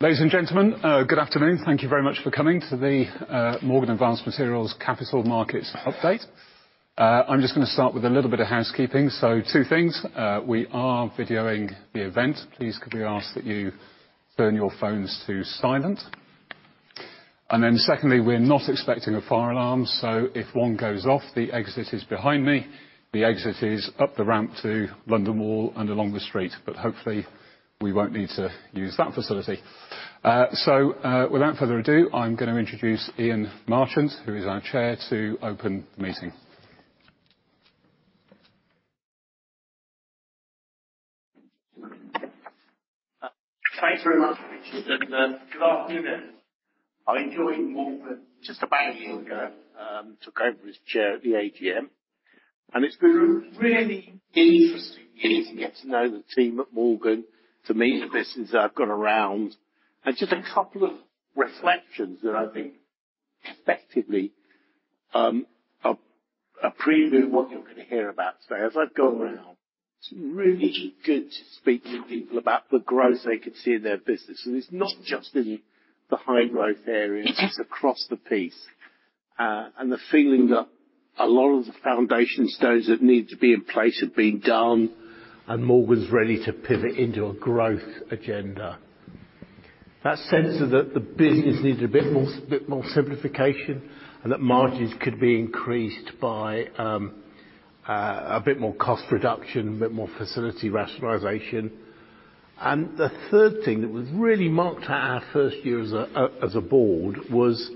Ladies and gentlemen, good afternoon. Thank you very much for coming to the Morgan Advanced Materials Capital Markets Update. I'm just gonna start with a little bit of housekeeping. Two things. We are videoing the event. Please could we ask that you turn your phones to silent. And then secondly, we're not expecting a fire alarm, so if one goes off, the exit is behind me. The exit is up the ramp to London Wall and along the street, but hopefully we won't need to use that facility. Without further ado, I'm gonna introduce Ian Marchant, who is our Chair, to open the meeting. Thanks very much, Richard, and good afternoon, everyone. I joined Morgan just about a year ago, took over as chair at the AGM, and it's been a really interesting year to get to know the team at Morgan, to meet the business that I've gone around, and just a couple of reflections that I think effectively are a preview of what you're gonna hear about today. As I've gone around, it's really good to speak to people about the growth they could see in their business. And it's not just in the high-growth areas. It's across the piece. And the feeling that a lot of the foundation stones that needed to be in place have been done, and Morgan's ready to pivot into a growth agenda. That sense that the business needed a bit more simplification, and that margins could be increased by a bit more cost reduction, a bit more facility rationalization. The third thing that really marked out our first year as a board was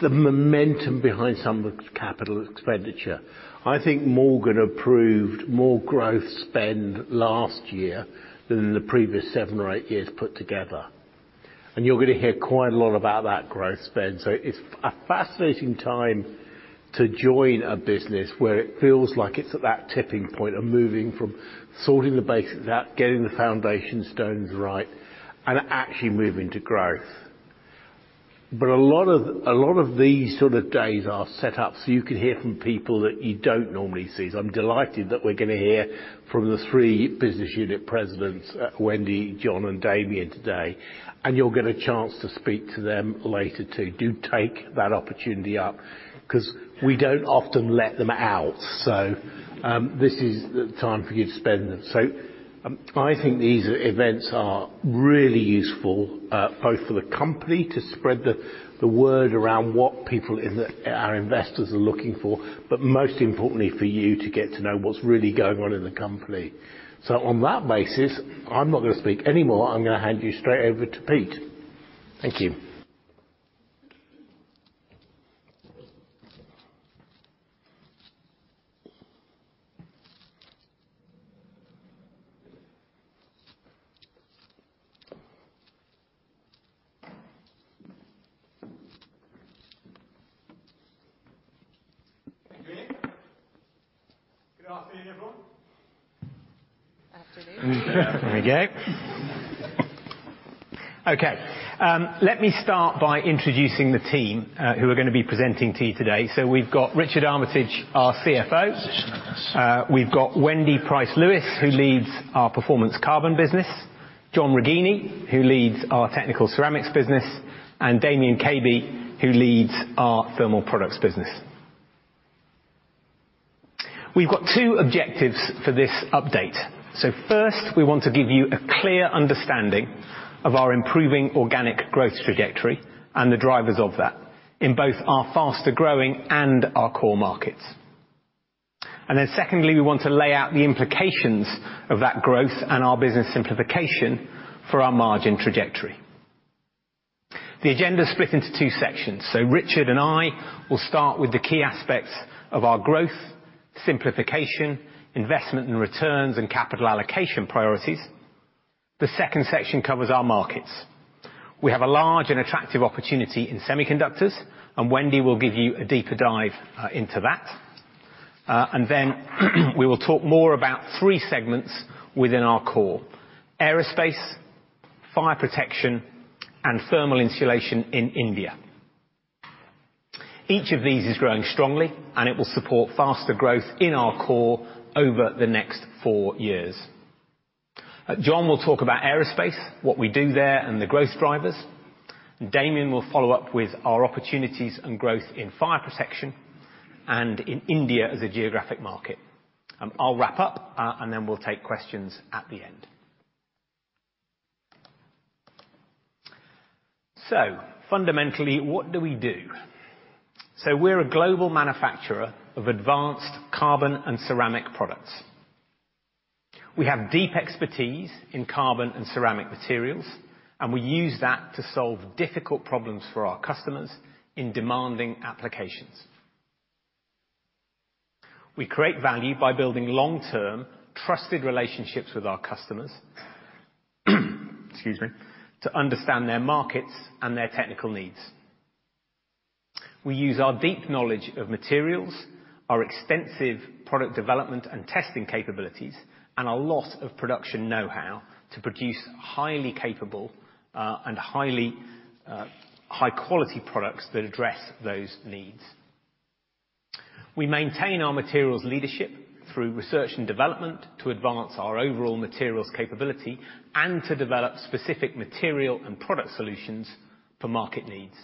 the momentum behind some of the capital expenditure. I think Morgan approved more growth spend last year than in the previous seven or eight years put together. And you're gonna hear quite a lot about that growth spend, so it's a fascinating time to join a business where it feels like it's at that tipping point of moving from sorting the basics out, getting the foundation stones right, and actually moving to growth. But a lot of these sort of days are set up so you can hear from people that you don't normally see. So I'm delighted that we're gonna hear from the three business unit presidents, Wendy, John, and Damien today, and you'll get a chance to speak to them later too. Do take that opportunity up, 'cause we don't often let them out, so this is the time for you to spend with them. So I think these events are really useful, both for the company to spread the word around what our investors are looking for, but most importantly for you to get to know what's really going on in the company. So on that basis, I'm not gonna speak anymore. I'm gonna hand you straight over to Pete. Thank you. Thank you, Ian. Good afternoon, everyone. Good afternoon. There we go. Okay. Let me start by introducing the team, who are gonna be presenting to you today. So we've got Richard Armitage, our CFO. We've got Wendy Pryce Lewis, who leads our Performance Carbon business. John Righini, who leads our Technical Ceramics business. And Damien Caby, who leads our Thermal Products business. We've got two objectives for this update. So first, we want to give you a clear understanding of our improving organic growth trajectory and the drivers of that in both our faster-growing and our core markets. Then secondly, we want to lay out the implications of that growth and our business simplification for our margin trajectory. The agenda's split into two sections, so Richard and I will start with the key aspects of our growth, simplification, investment and returns, and capital allocation priorities. The second section covers our markets. We have a large and attractive opportunity in semiconductors, and Wendy will give you a deeper dive into that. And then we will talk more about three segments within our core: aerospace, fire protection, and thermal insulation in India. Each of these is growing strongly, and it will support faster growth in our core over the next four years. John will talk about aerospace, what we do there, and the growth drivers. Damien will follow up with our opportunities and growth in fire protection and in India as a geographic market. I'll wrap up, and then we'll take questions at the end. So fundamentally, what do we do? So we're a global manufacturer of advanced carbon and ceramic products. We have deep expertise in carbon and ceramic materials, and we use that to solve difficult problems for our customers in demanding applications. We create value by building long-term, trusted relationships with our customers - excuse me - to understand their markets and their technical needs. We use our deep knowledge of materials, our extensive product development and testing capabilities, and a lot of production know-how to produce highly capable, and highly, high-quality products that address those needs. We maintain our materials leadership through research and development to advance our overall materials capability and to develop specific material and product solutions for market needs.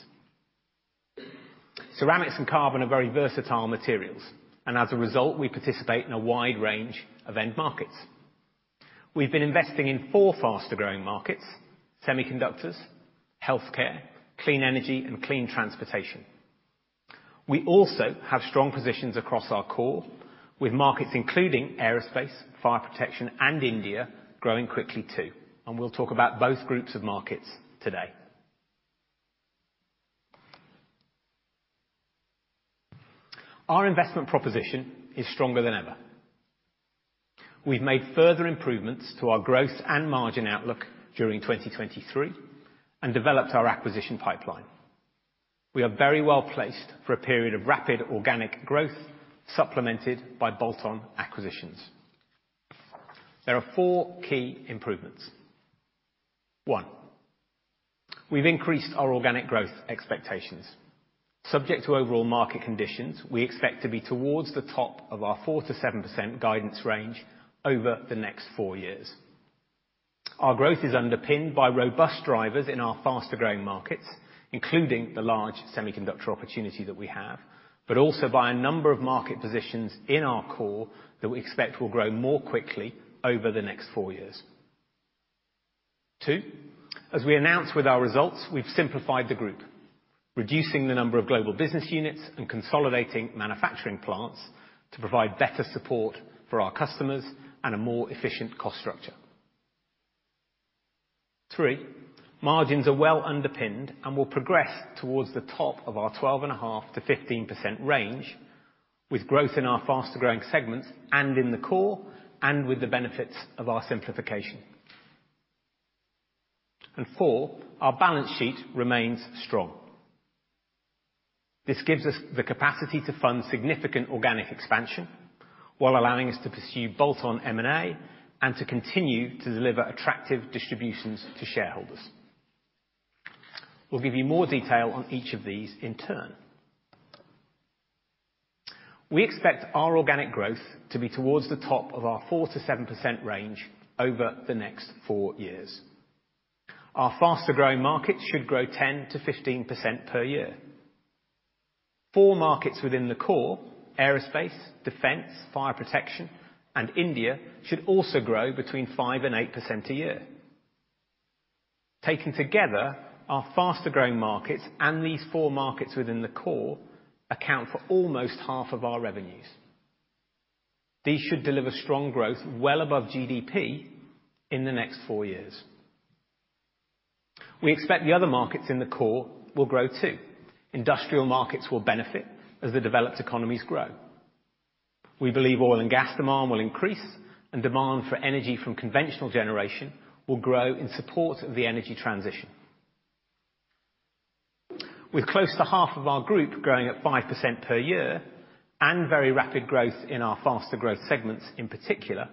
Ceramics and carbon are very versatile materials, and as a result, we participate in a wide range of end markets. We've been investing in four faster-growing markets: semiconductors, healthcare, clean energy, and clean transportation. We also have strong positions across our core, with markets including aerospace, fire protection, and India growing quickly too. And we'll talk about both groups of markets today. Our investment proposition is stronger than ever. We've made further improvements to our growth and margin outlook during 2023 and developed our acquisition pipeline. We are very well placed for a period of rapid organic growth supplemented by bolt-on acquisitions. There are four key improvements. One, we've increased our organic growth expectations. Subject to overall market conditions, we expect to be towards the top of our 4%-7% guidance range over the next four years. Our growth is underpinned by robust drivers in our faster-growing markets, including the large semiconductor opportunity that we have, but also by a number of market positions in our core that we expect will grow more quickly over the next four years. Two, as we announced with our results, we've simplified the group, reducing the number of global business units and consolidating manufacturing plants to provide better support for our customers and a more efficient cost structure. Three, margins are well underpinned and will progress towards the top of our 12.5%-15% range with growth in our faster-growing segments and in the core and with the benefits of our simplification. And four, our balance sheet remains strong. This gives us the capacity to fund significant organic expansion while allowing us to pursue bolt-on M&A and to continue to deliver attractive distributions to shareholders. We'll give you more detail on each of these in turn. We expect our organic growth to be towards the top of our 4%-7% range over the next four years. Our faster-growing markets should grow 10%-15% per year. Four markets within the core: aerospace, defense, fire protection, and India should also grow between 5%-8% a year. Taken together, our faster-growing markets and these four markets within the core account for almost half of our revenues. These should deliver strong growth well above GDP in the next four years. We expect the other markets in the core will grow too. Industrial markets will benefit as the developed economies grow. We believe oil and gas demand will increase, and demand for energy from conventional generation will grow in support of the energy transition. With close to half of our group growing at 5% per year and very rapid growth in our faster-growth segments in particular,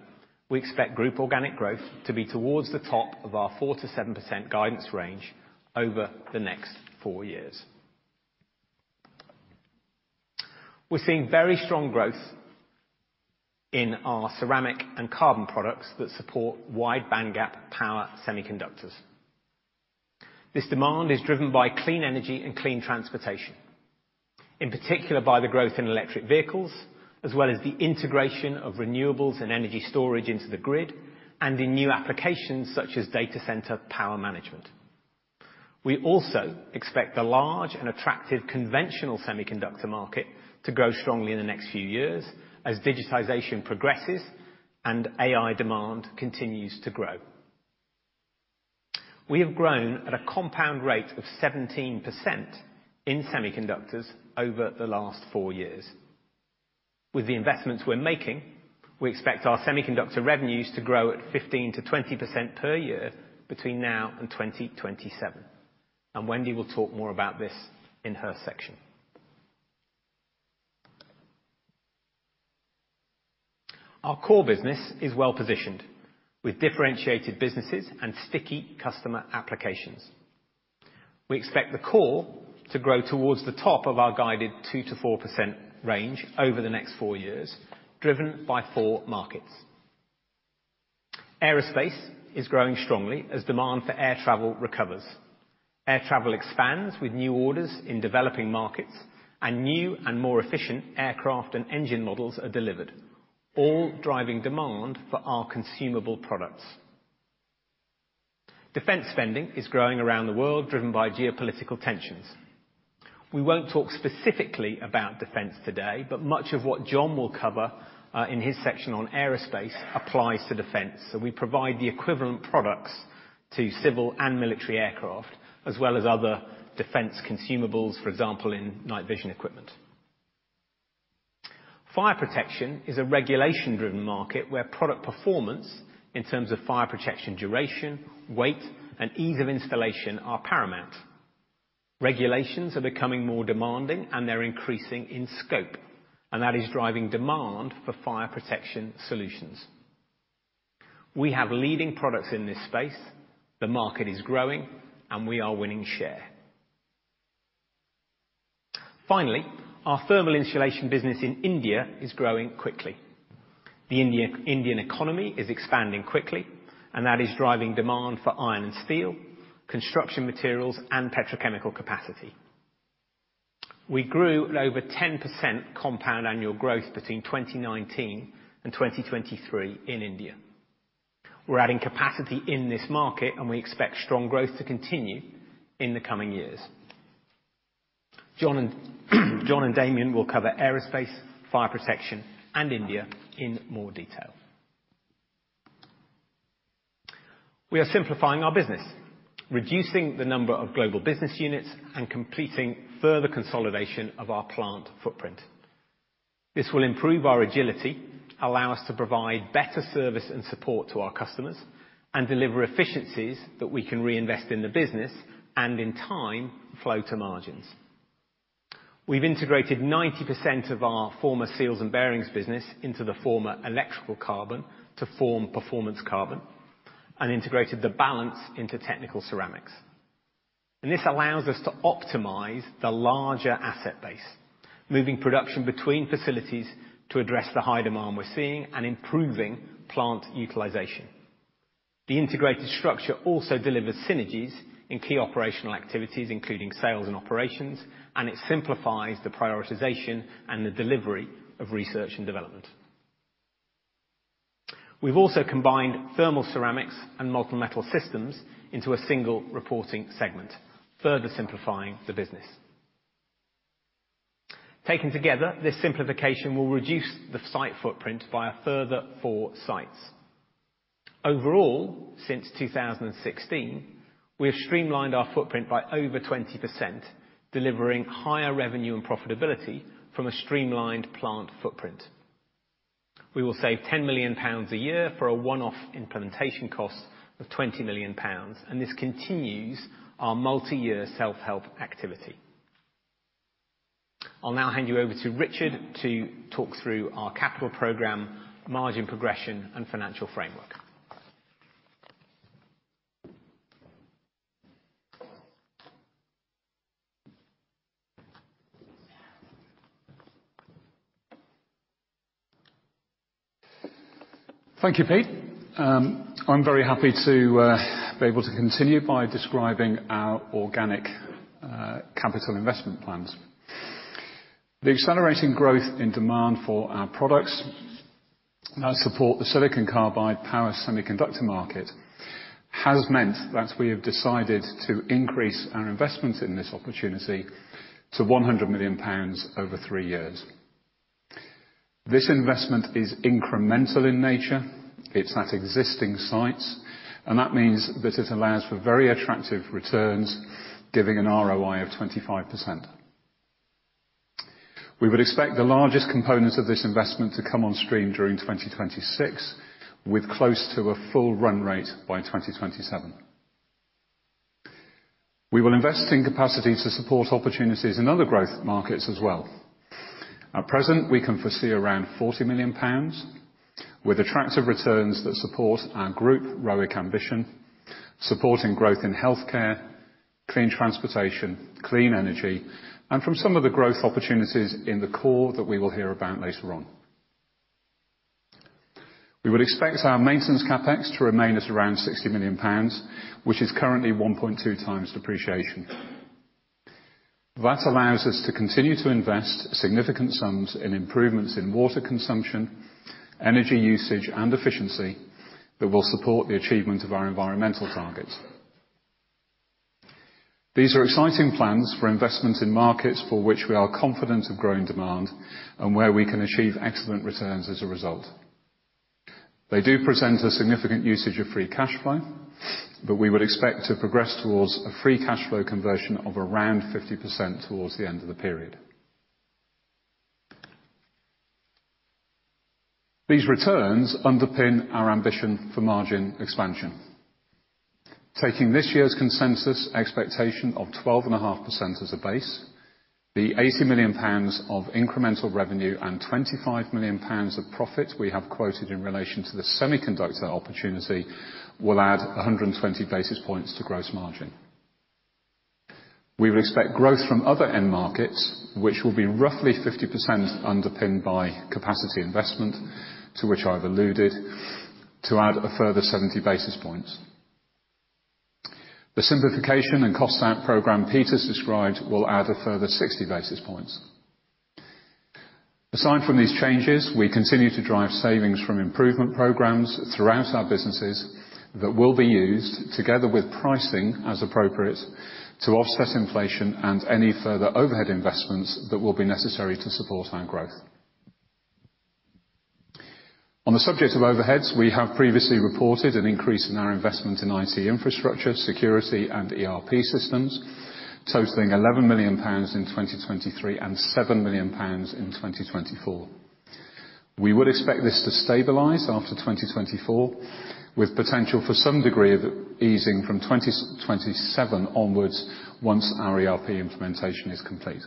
we expect group organic growth to be towards the top of our 4%-7% guidance range over the next four years. We're seeing very strong growth in our ceramic and carbon products that support wide-bandgap power semiconductors. This demand is driven by clean energy and clean transportation, in particular by the growth in electric vehicles as well as the integration of renewables and energy storage into the grid and in new applications such as data center power management. We also expect the large and attractive conventional semiconductor market to grow strongly in the next few years as digitization progresses and AI demand continues to grow. We have grown at a compound rate of 17% in semiconductors over the last four years. With the investments we're making, we expect our semiconductor revenues to grow at 15%-20% per year between now and 2027. Wendy will talk more about this in her section. Our core business is well positioned with differentiated businesses and sticky customer applications. We expect the core to grow towards the top of our guided 2%-4% range over the next four years, driven by four markets. Aerospace is growing strongly as demand for air travel recovers. Air travel expands with new orders in developing markets, and new and more efficient aircraft and engine models are delivered, all driving demand for our consumable products. Defense spending is growing around the world driven by geopolitical tensions. We won't talk specifically about defense today, but much of what John will cover, in his section on aerospace applies to defense, so we provide the equivalent products to civil and military aircraft as well as other defense consumables, for example, in night vision equipment. Fire protection is a regulation-driven market where product performance in terms of fire protection duration, weight, and ease of installation are paramount. Regulations are becoming more demanding, and they're increasing in scope, and that is driving demand for fire protection solutions. We have leading products in this space. The market is growing, and we are winning share. Finally, our thermal insulation business in India is growing quickly. The Indian economy is expanding quickly, and that is driving demand for iron and steel, construction materials, and petrochemical capacity. We grew at over 10% compound annual growth between 2019 and 2023 in India. We're adding capacity in this market, and we expect strong growth to continue in the coming years. John and Damien will cover aerospace, fire protection, and India in more detail. We are simplifying our business, reducing the number of global business units, and completing further consolidation of our plant footprint. This will improve our agility, allow us to provide better service and support to our customers, and deliver efficiencies that we can reinvest in the business and, in time, flow to margins. We've integrated 90% of our former Seals and Bearings business into the former Electrical Carbon to form Performance Carbon and integrated the balance into Technical Ceramics. This allows us to optimize the larger asset base, moving production between facilities to address the high demand we're seeing and improving plant utilization. The integrated structure also delivers synergies in key operational activities including sales and operations, and it simplifies the prioritization and the delivery of research and development. We've also combined Thermal Ceramics and Molten Metal Systems into a single reporting segment, further simplifying the business. Taken together, this simplification will reduce the site footprint by a further four sites. Overall, since 2016, we have streamlined our footprint by over 20%, delivering higher revenue and profitability from a streamlined plant footprint. We will save 10 million pounds a year for a one-off implementation cost of 20 million pounds, and this continues our multi-year self-help activity. I'll now hand you over to Richard to talk through our capital program, margin progression, and financial framework. Thank you, Pete. I'm very happy to be able to continue by describing our organic capital investment plans. The accelerating growth in demand for our products that support the silicon carbide power semiconductor market has meant that we have decided to increase our investment in this opportunity to 100 million pounds over three years. This investment is incremental in nature. It's at existing sites, and that means that it allows for very attractive returns, giving an ROI of 25%. We would expect the largest components of this investment to come on stream during 2026 with close to a full run rate by 2027. We will invest in capacity to support opportunities in other growth markets as well. At present, we can foresee around 40 million pounds with attractive returns that support our group ROIC ambition, supporting growth in healthcare, clean transportation, clean energy, and from some of the growth opportunities in the core that we will hear about later on. We would expect our maintenance CapEx to remain at around 60 million pounds, which is currently 1.2x depreciation. That allows us to continue to invest significant sums in improvements in water consumption, energy usage, and efficiency that will support the achievement of our environmental targets. These are exciting plans for investment in markets for which we are confident of growing demand and where we can achieve excellent returns as a result. They do present a significant usage of free cash flow, but we would expect to progress towards a free cash flow conversion of around 50% towards the end of the period. These returns underpin our ambition for margin expansion. Taking this year's consensus expectation of 12.5% as a base, the 80 million pounds of incremental revenue and 25 million pounds of profit we have quoted in relation to the semiconductor opportunity will add 120 basis points to gross margin. We would expect growth from other end markets, which will be roughly 50% underpinned by capacity investment to which I've alluded, to add a further 70 basis points. The simplification and cost-out program Peter's described will add a further 60 basis points. Aside from these changes, we continue to drive savings from improvement programs throughout our businesses that will be used together with pricing as appropriate to offset inflation and any further overhead investments that will be necessary to support our growth. On the subject of overheads, we have previously reported an increase in our investment in IT infrastructure, security, and ERP systems, totaling 11 million pounds in 2023 and 7 million pounds in 2024. We would expect this to stabilize after 2024 with potential for some degree of easing from 2027 onwards once our ERP implementation is complete.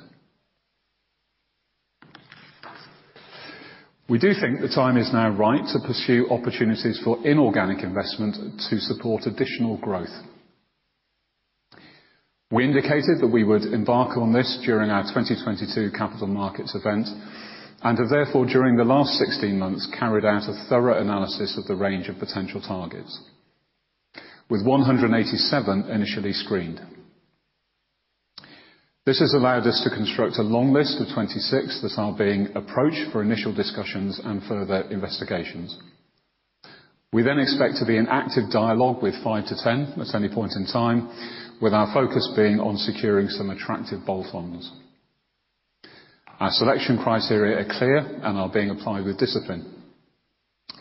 We do think the time is now right to pursue opportunities for inorganic investment to support additional growth. We indicated that we would embark on this during our 2022 capital markets event and have therefore, during the last 16 months, carried out a thorough analysis of the range of potential targets with 187 initially screened. This has allowed us to construct a long list of 26 that are being approached for initial discussions and further investigations. We then expect to be in active dialogue with 5-10 at any point in time, with our focus being on securing some attractive bolt-ons. Our selection criteria are clear and are being applied with discipline.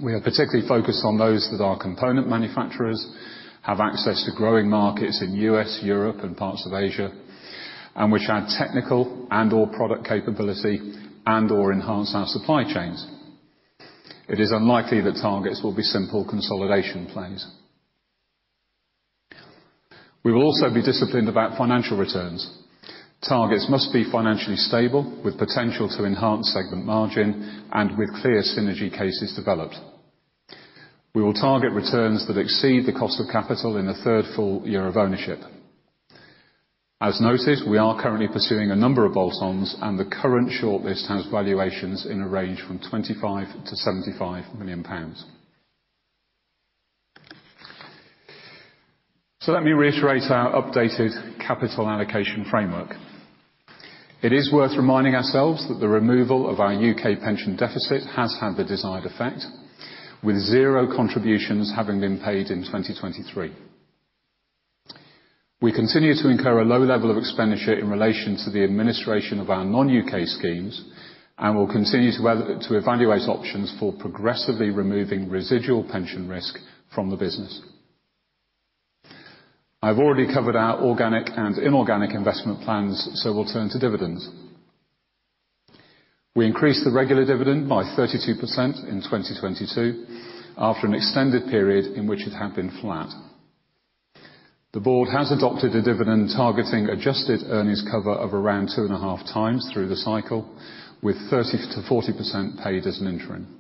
We are particularly focused on those that our component manufacturers have access to growing markets in the U.S., Europe, and parts of Asia, and which add technical and/or product capability and/or enhance our supply chains. It is unlikely that targets will be simple consolidation plays. We will also be disciplined about financial returns. Targets must be financially stable with potential to enhance segment margin and with clear synergy cases developed. We will target returns that exceed the cost of capital in the third full year of ownership. As noted, we are currently pursuing a number of bolt-ons, and the current shortlist has valuations in a range from 25 million to 75 million pounds. Let me reiterate our updated capital allocation framework. It is worth reminding ourselves that the removal of our U.K. pension deficit has had the desired effect, with zero contributions having been paid in 2023. We continue to incur a low level of expenditure in relation to the administration of our non-U.K. schemes and will continue to evaluate options for progressively removing residual pension risk from the business. I've already covered our organic and inorganic investment plans, so we'll turn to dividends. We increased the regular dividend by 32% in 2022 after an extended period in which it had been flat. The board has adopted a dividend targeting adjusted earnings cover of around 2.5x through the cycle, with 30%-40% paid as an interim.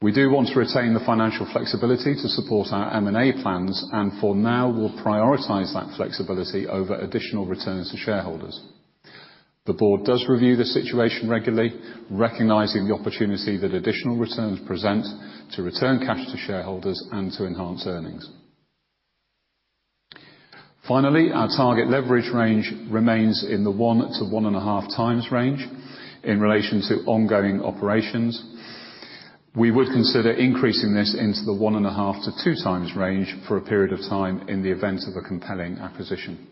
We do want to retain the financial flexibility to support our M&A plans, and for now, we'll prioritize that flexibility over additional returns to shareholders. The board does review the situation regularly, recognizing the opportunity that additional returns present to return cash to shareholders and to enhance earnings. Finally, our target leverage range remains in the 1x-1.5x range in relation to ongoing operations. We would consider increasing this into the 1.5x-2x range for a period of time in the event of a compelling acquisition.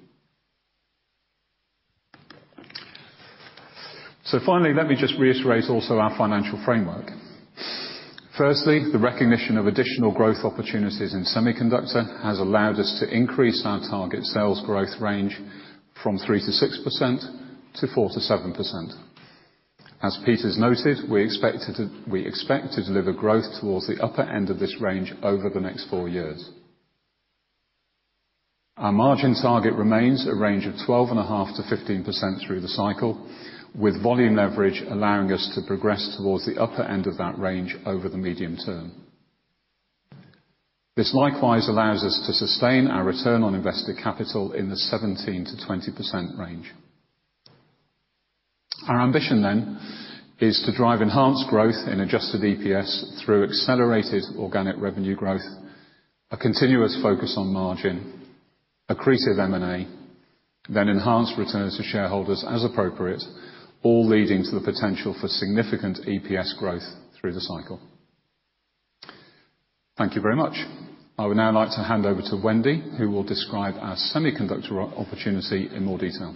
So finally, let me just reiterate also our financial framework. Firstly, the recognition of additional growth opportunities in semiconductor has allowed us to increase our target sales growth range from 3%-6% to 4%-7%. As Peter's noted, we expect to deliver growth towards the upper end of this range over the next four years. Our margin target remains a range of 12.5%-15% through the cycle, with volume leverage allowing us to progress towards the upper end of that range over the medium term. This likewise allows us to sustain our return on invested capital in the 17%-20% range. Our ambition then is to drive enhanced growth in adjusted EPS through accelerated organic revenue growth, a continuous focus on margin, accretive M&A, then enhanced returns to shareholders as appropriate, all leading to the potential for significant EPS growth through the cycle. Thank you very much. I would now like to hand over to Wendy, who will describe our semiconductor opportunity in more detail.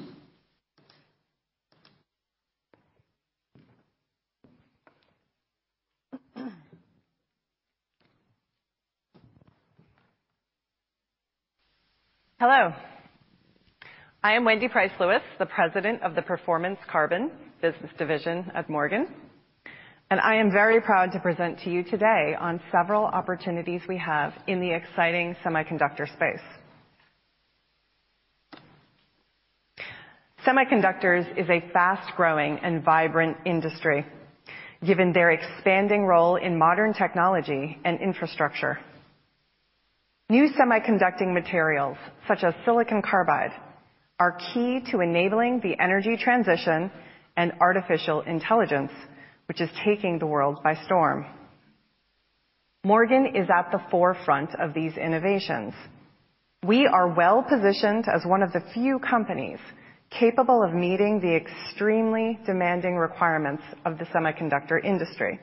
Hello. I am Wendy Pryce Lewis, the President of the Performance Carbon business division at Morgan, and I am very proud to present to you today on several opportunities we have in the exciting semiconductor space. Semiconductors is a fast-growing and vibrant industry given their expanding role in modern technology and infrastructure. New semiconducting materials such as silicon carbide are key to enabling the energy transition and artificial intelligence, which is taking the world by storm. Morgan is at the forefront of these innovations. We are well-positioned as one of the few companies capable of meeting the extremely demanding requirements of the semiconductor industry.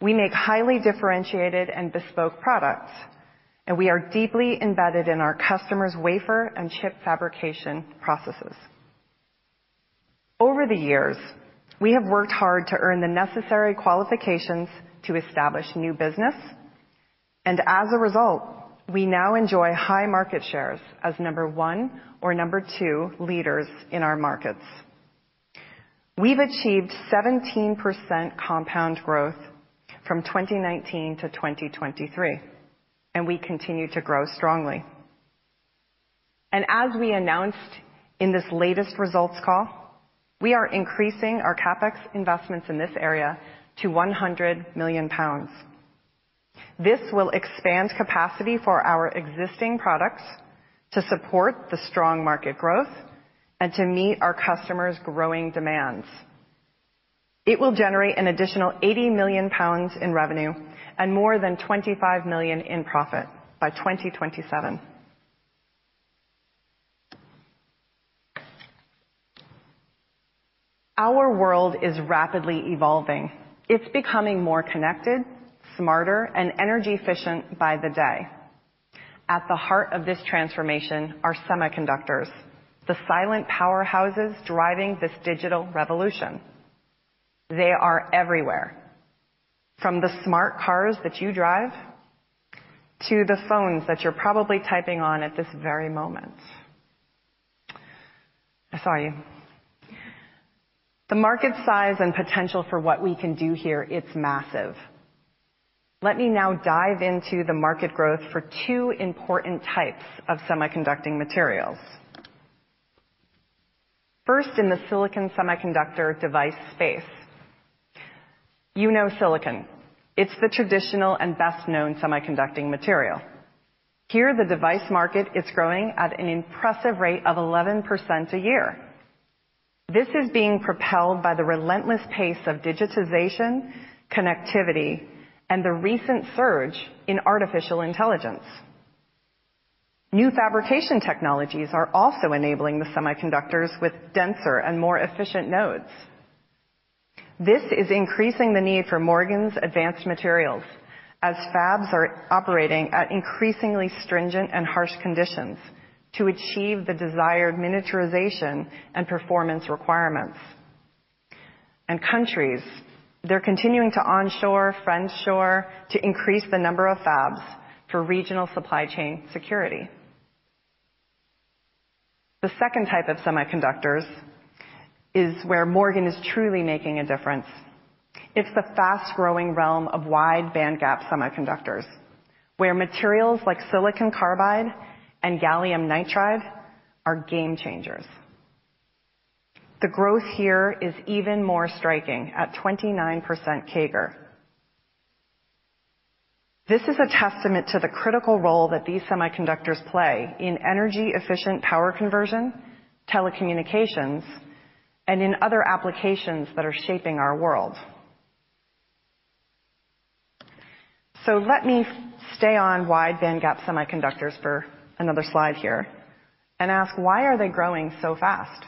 We make highly differentiated and bespoke products, and we are deeply embedded in our customers' wafer and chip fabrication processes. Over the years, we have worked hard to earn the necessary qualifications to establish new business, and as a result, we now enjoy high market shares as number one or number two leaders in our markets. We've achieved 17% compound growth from 2019 to 2023, and we continue to grow strongly. As we announced in this latest results call, we are increasing our CapEx investments in this area to 100 million pounds. This will expand capacity for our existing products to support the strong market growth and to meet our customers' growing demands. It will generate an additional 80 million pounds in revenue and more than 25 million in profit by 2027. Our world is rapidly evolving. It's becoming more connected, smarter, and energy efficient by the day. At the heart of this transformation are semiconductors, the silent powerhouses driving this digital revolution. They are everywhere, from the smart cars that you drive to the phones that you're probably typing on at this very moment. I saw you. The market size and potential for what we can do here, it's massive. Let me now dive into the market growth for two important types of semiconducting materials. First, in the silicon semiconductor device space. You know silicon. It's the traditional and best-known semiconducting material. Here, the device market is growing at an impressive rate of 11% a year. This is being propelled by the relentless pace of digitization, connectivity, and the recent surge in artificial intelligence. New fabrication technologies are also enabling the semiconductors with denser and more efficient nodes. This is increasing the need for Morgan's advanced materials as fabs are operating at increasingly stringent and harsh conditions to achieve the desired miniaturization and performance requirements. Countries, they're continuing to onshore, friendshore, to increase the number of fabs for regional supply chain security. The second type of semiconductors is where Morgan is truly making a difference. It's the fast-growing realm of wide-bandgap semiconductors, where materials like silicon carbide and gallium nitride are game-changers. The growth here is even more striking at 29% CAGR. This is a testament to the critical role that these semiconductors play in energy-efficient power conversion, telecommunications, and in other applications that are shaping our world. So let me stay on wide-bandgap semiconductors for another slide here and ask, why are they growing so fast?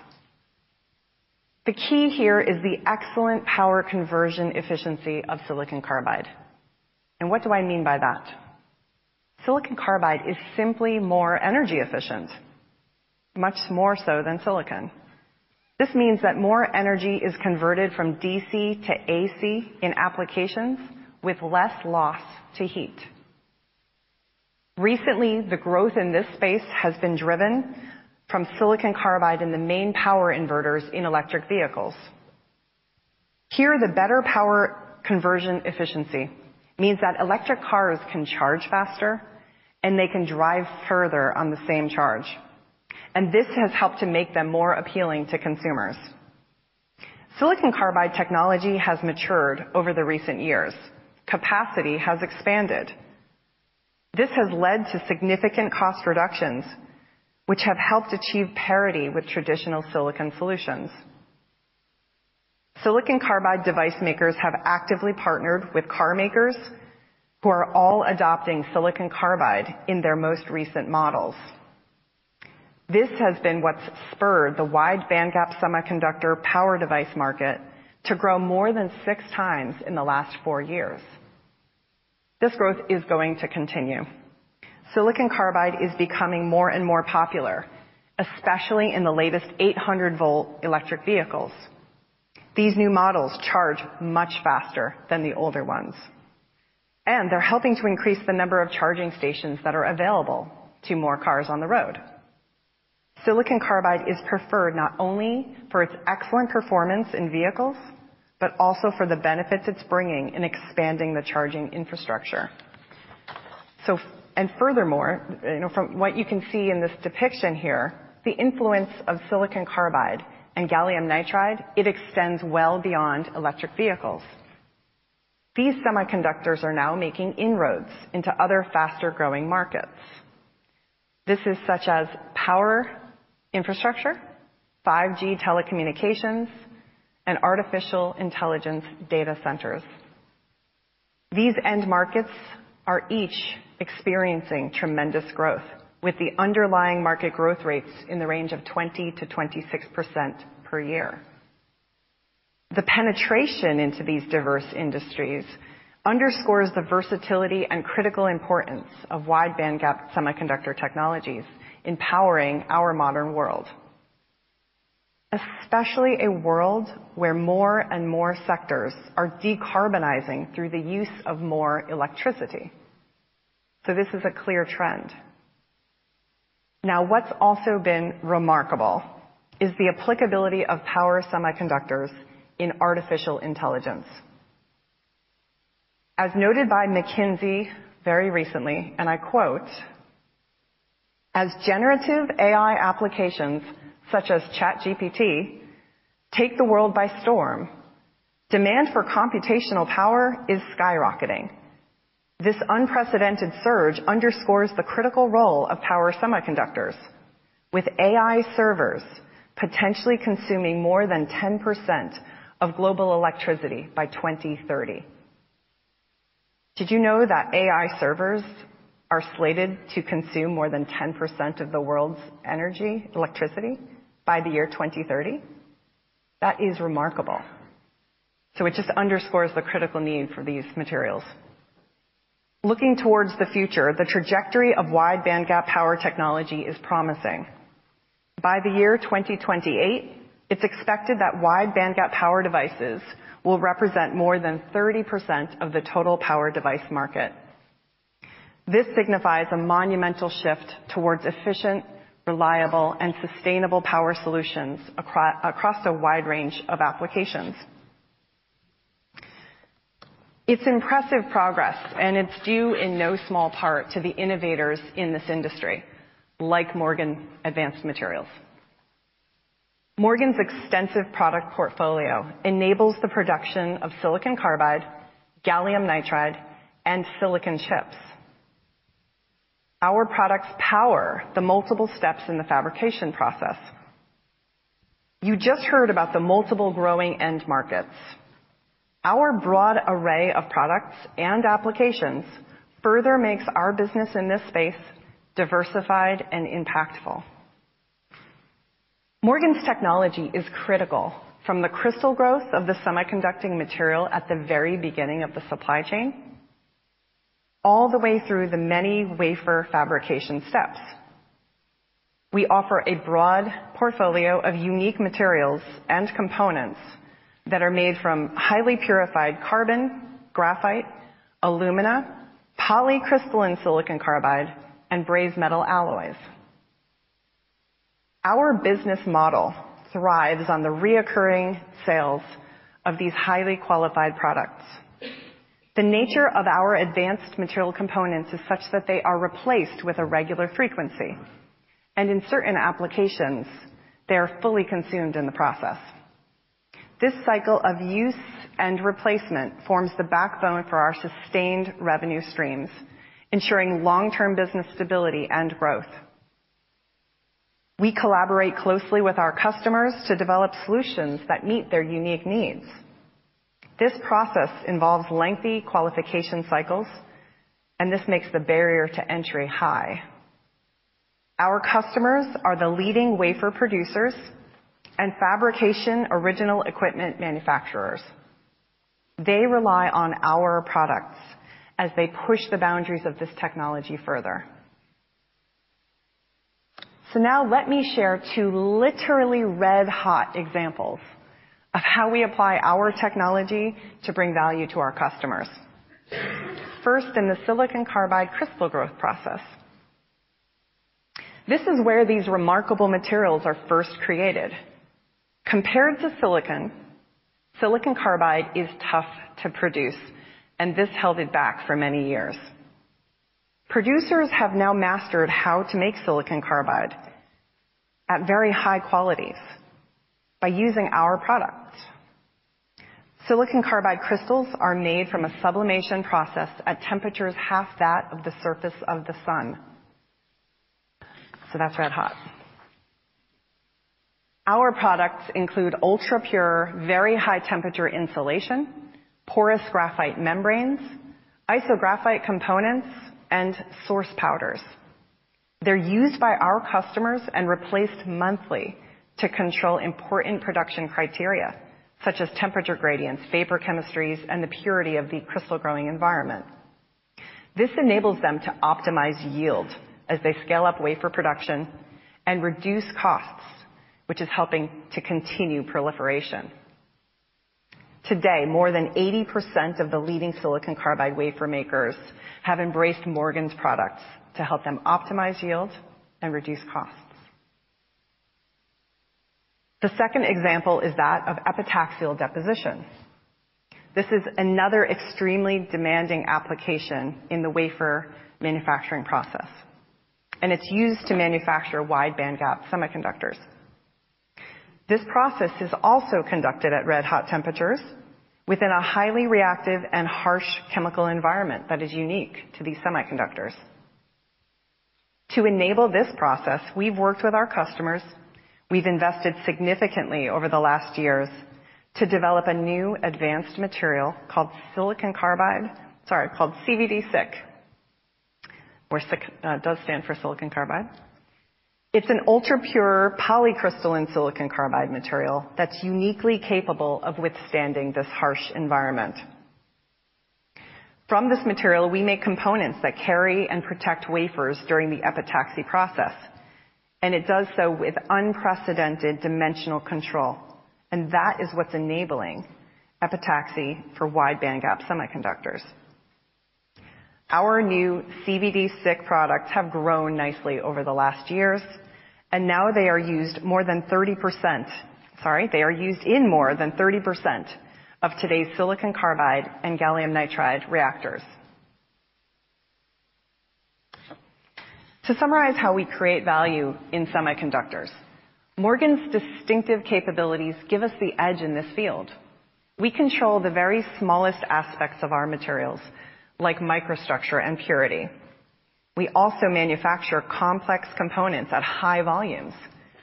The key here is the excellent power conversion efficiency of silicon carbide. And what do I mean by that? Silicon carbide is simply more energy efficient, much more so than silicon. This means that more energy is converted from DC to AC in applications with less loss to heat. Recently, the growth in this space has been driven from silicon carbide in the main power inverters in electric vehicles. Here, the better power conversion efficiency means that electric cars can charge faster, and they can drive further on the same charge. This has helped to make them more appealing to consumers. Silicon carbide technology has matured over the recent years. Capacity has expanded. This has led to significant cost reductions, which have helped achieve parity with traditional silicon solutions. Silicon carbide device makers have actively partnered with car makers who are all adopting silicon carbide in their most recent models. This has been what's spurred the wide-bandgap semiconductor power device market to grow more than 6x in the last four years. This growth is going to continue. Silicon carbide is becoming more and more popular, especially in the latest 800-volt electric vehicles. These new models charge much faster than the older ones, and they're helping to increase the number of charging stations that are available to more cars on the road. Silicon carbide is preferred not only for its excellent performance in vehicles but also for the benefits it's bringing in expanding the charging infrastructure. And furthermore, from what you can see in this depiction here, the influence of silicon carbide and gallium nitride, it extends well beyond electric vehicles. These semiconductors are now making inroads into other faster-growing markets. This is such as power infrastructure, 5G telecommunications, and artificial intelligence data centers. These end markets are each experiencing tremendous growth, with the underlying market growth rates in the range of 20%-26% per year. The penetration into these diverse industries underscores the versatility and critical importance of wide-bandgap semiconductor technologies empowering our modern world, especially a world where more and more sectors are decarbonizing through the use of more electricity. So this is a clear trend. Now, what's also been remarkable is the applicability of power semiconductors in artificial intelligence. As noted by McKinsey very recently, and I quote, "As generative AI applications such as ChatGPT take the world by storm, demand for computational power is skyrocketing. This unprecedented surge underscores the critical role of power semiconductors, with AI servers potentially consuming more than 10% of global electricity by 2030." Did you know that AI servers are slated to consume more than 10% of the world's energy, electricity, by the year 2030? That is remarkable. So it just underscores the critical need for these materials. Looking towards the future, the trajectory of wide-bandgap power technology is promising. By the year 2028, it's expected that wide-bandgap power devices will represent more than 30% of the total power device market. This signifies a monumental shift towards efficient, reliable, and sustainable power solutions across a wide range of applications. It's impressive progress, and it's due in no small part to the innovators in this industry like Morgan Advanced Materials. Morgan's extensive product portfolio enables the production of silicon carbide, gallium nitride, and silicon chips. Our products power the multiple steps in the fabrication process. You just heard about the multiple growing end markets. Our broad array of products and applications further makes our business in this space diversified and impactful. Morgan's technology is critical from the crystal growth of the semiconducting material at the very beginning of the supply chain all the way through the many wafer fabrication steps. We offer a broad portfolio of unique materials and components that are made from highly purified carbon, graphite, alumina, polycrystalline silicon carbide, and brazed metal alloys. Our business model thrives on the recurring sales of these highly qualified products. The nature of our advanced material components is such that they are replaced with a regular frequency, and in certain applications, they are fully consumed in the process. This cycle of use and replacement forms the backbone for our sustained revenue streams, ensuring long-term business stability and growth. We collaborate closely with our customers to develop solutions that meet their unique needs. This process involves lengthy qualification cycles, and this makes the barrier to entry high. Our customers are the leading wafer producers and fabrication original equipment manufacturers. They rely on our products as they push the boundaries of this technology further. So now let me share two literally red-hot examples of how we apply our technology to bring value to our customers. First, in the silicon carbide crystal growth process. This is where these remarkable materials are first created. Compared to silicon, silicon carbide is tough to produce, and this held it back for many years. Producers have now mastered how to make silicon carbide at very high qualities by using our products. Silicon carbide crystals are made from a sublimation process at temperatures half that of the surface of the sun. So that's red-hot. Our products include ultra-pure, very high-temperature insulation, porous graphite membranes, isographite components, and source powders. They're used by our customers and replaced monthly to control important production criteria such as temperature gradients, vapor chemistries, and the purity of the crystal-growing environment. This enables them to optimize yield as they scale up wafer production and reduce costs, which is helping to continue proliferation. Today, more than 80% of the leading silicon carbide wafer makers have embraced Morgan's products to help them optimize yield and reduce costs. The second example is that of epitaxial deposition. This is another extremely demanding application in the wafer manufacturing process, and it's used to manufacture wide-bandgap semiconductors. This process is also conducted at red-hot temperatures within a highly reactive and harsh chemical environment that is unique to these semiconductors. To enable this process, we've worked with our customers. We've invested significantly over the last years to develop a new advanced material called silicon carbide, sorry, called CVD SiC, which does stand for silicon carbide. It's an ultra-pure polycrystalline silicon carbide material that's uniquely capable of withstanding this harsh environment. From this material, we make components that carry and protect wafers during the epitaxy process, and it does so with unprecedented dimensional control. And that is what's enabling epitaxy for wide-bandgap semiconductors. Our new CVD SiC products have grown nicely over the last years, and now they are used more than 30%, sorry, they are used in more than 30% of today's silicon carbide and gallium nitride reactors. To summarise how we create value in semiconductors, Morgan's distinctive capabilities give us the edge in this field. We control the very smallest aspects of our materials, like microstructure and purity. We also manufacture complex components at high volumes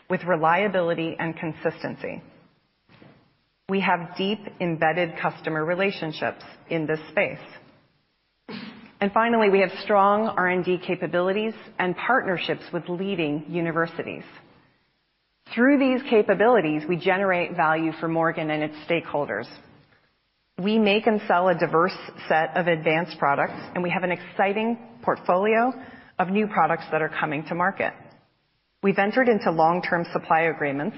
with reliability and consistency. We have deeply embedded customer relationships in this space. Finally, we have strong R&D capabilities and partnerships with leading universities. Through these capabilities, we generate value for Morgan and its stakeholders. We make and sell a diverse set of advanced products, and we have an exciting portfolio of new products that are coming to market. We've entered into long-term supply agreements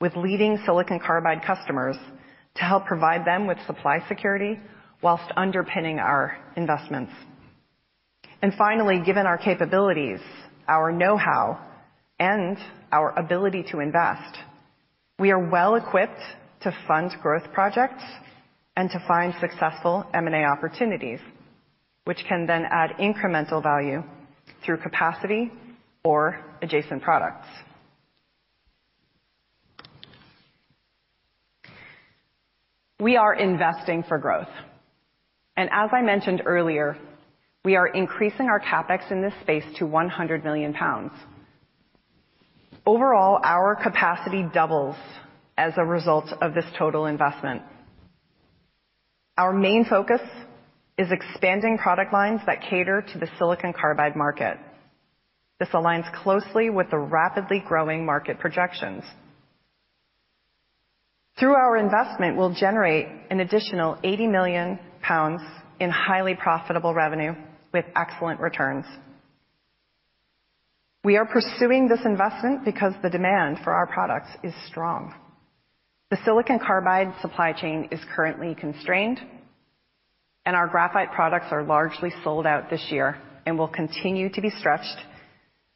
with leading silicon carbide customers to help provide them with supply security while underpinning our investments. Finally, given our capabilities, our know-how, and our ability to invest, we are well-equipped to fund growth projects and to find successful M&A opportunities, which can then add incremental value through capacity or adjacent products. We are investing for growth. As I mentioned earlier, we are increasing our CapEx in this space to 100 million pounds. Overall, our capacity doubles as a result of this total investment. Our main focus is expanding product lines that cater to the silicon carbide market. This aligns closely with the rapidly growing market projections. Through our investment, we'll generate an additional 80 million pounds in highly profitable revenue with excellent returns. We are pursuing this investment because the demand for our products is strong. The silicon carbide supply chain is currently constrained, and our graphite products are largely sold out this year and will continue to be stretched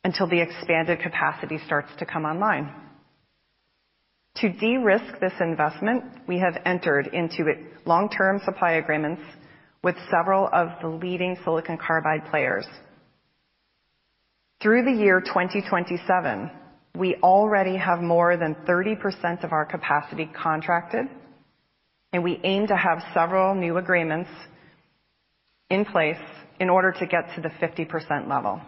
until the expanded capacity starts to come online. To de-risk this investment, we have entered into long-term supply agreements with several of the leading silicon carbide players. Through the year 2027, we already have more than 30% of our capacity contracted, and we aim to have several new agreements in place in order to get to the 50% level.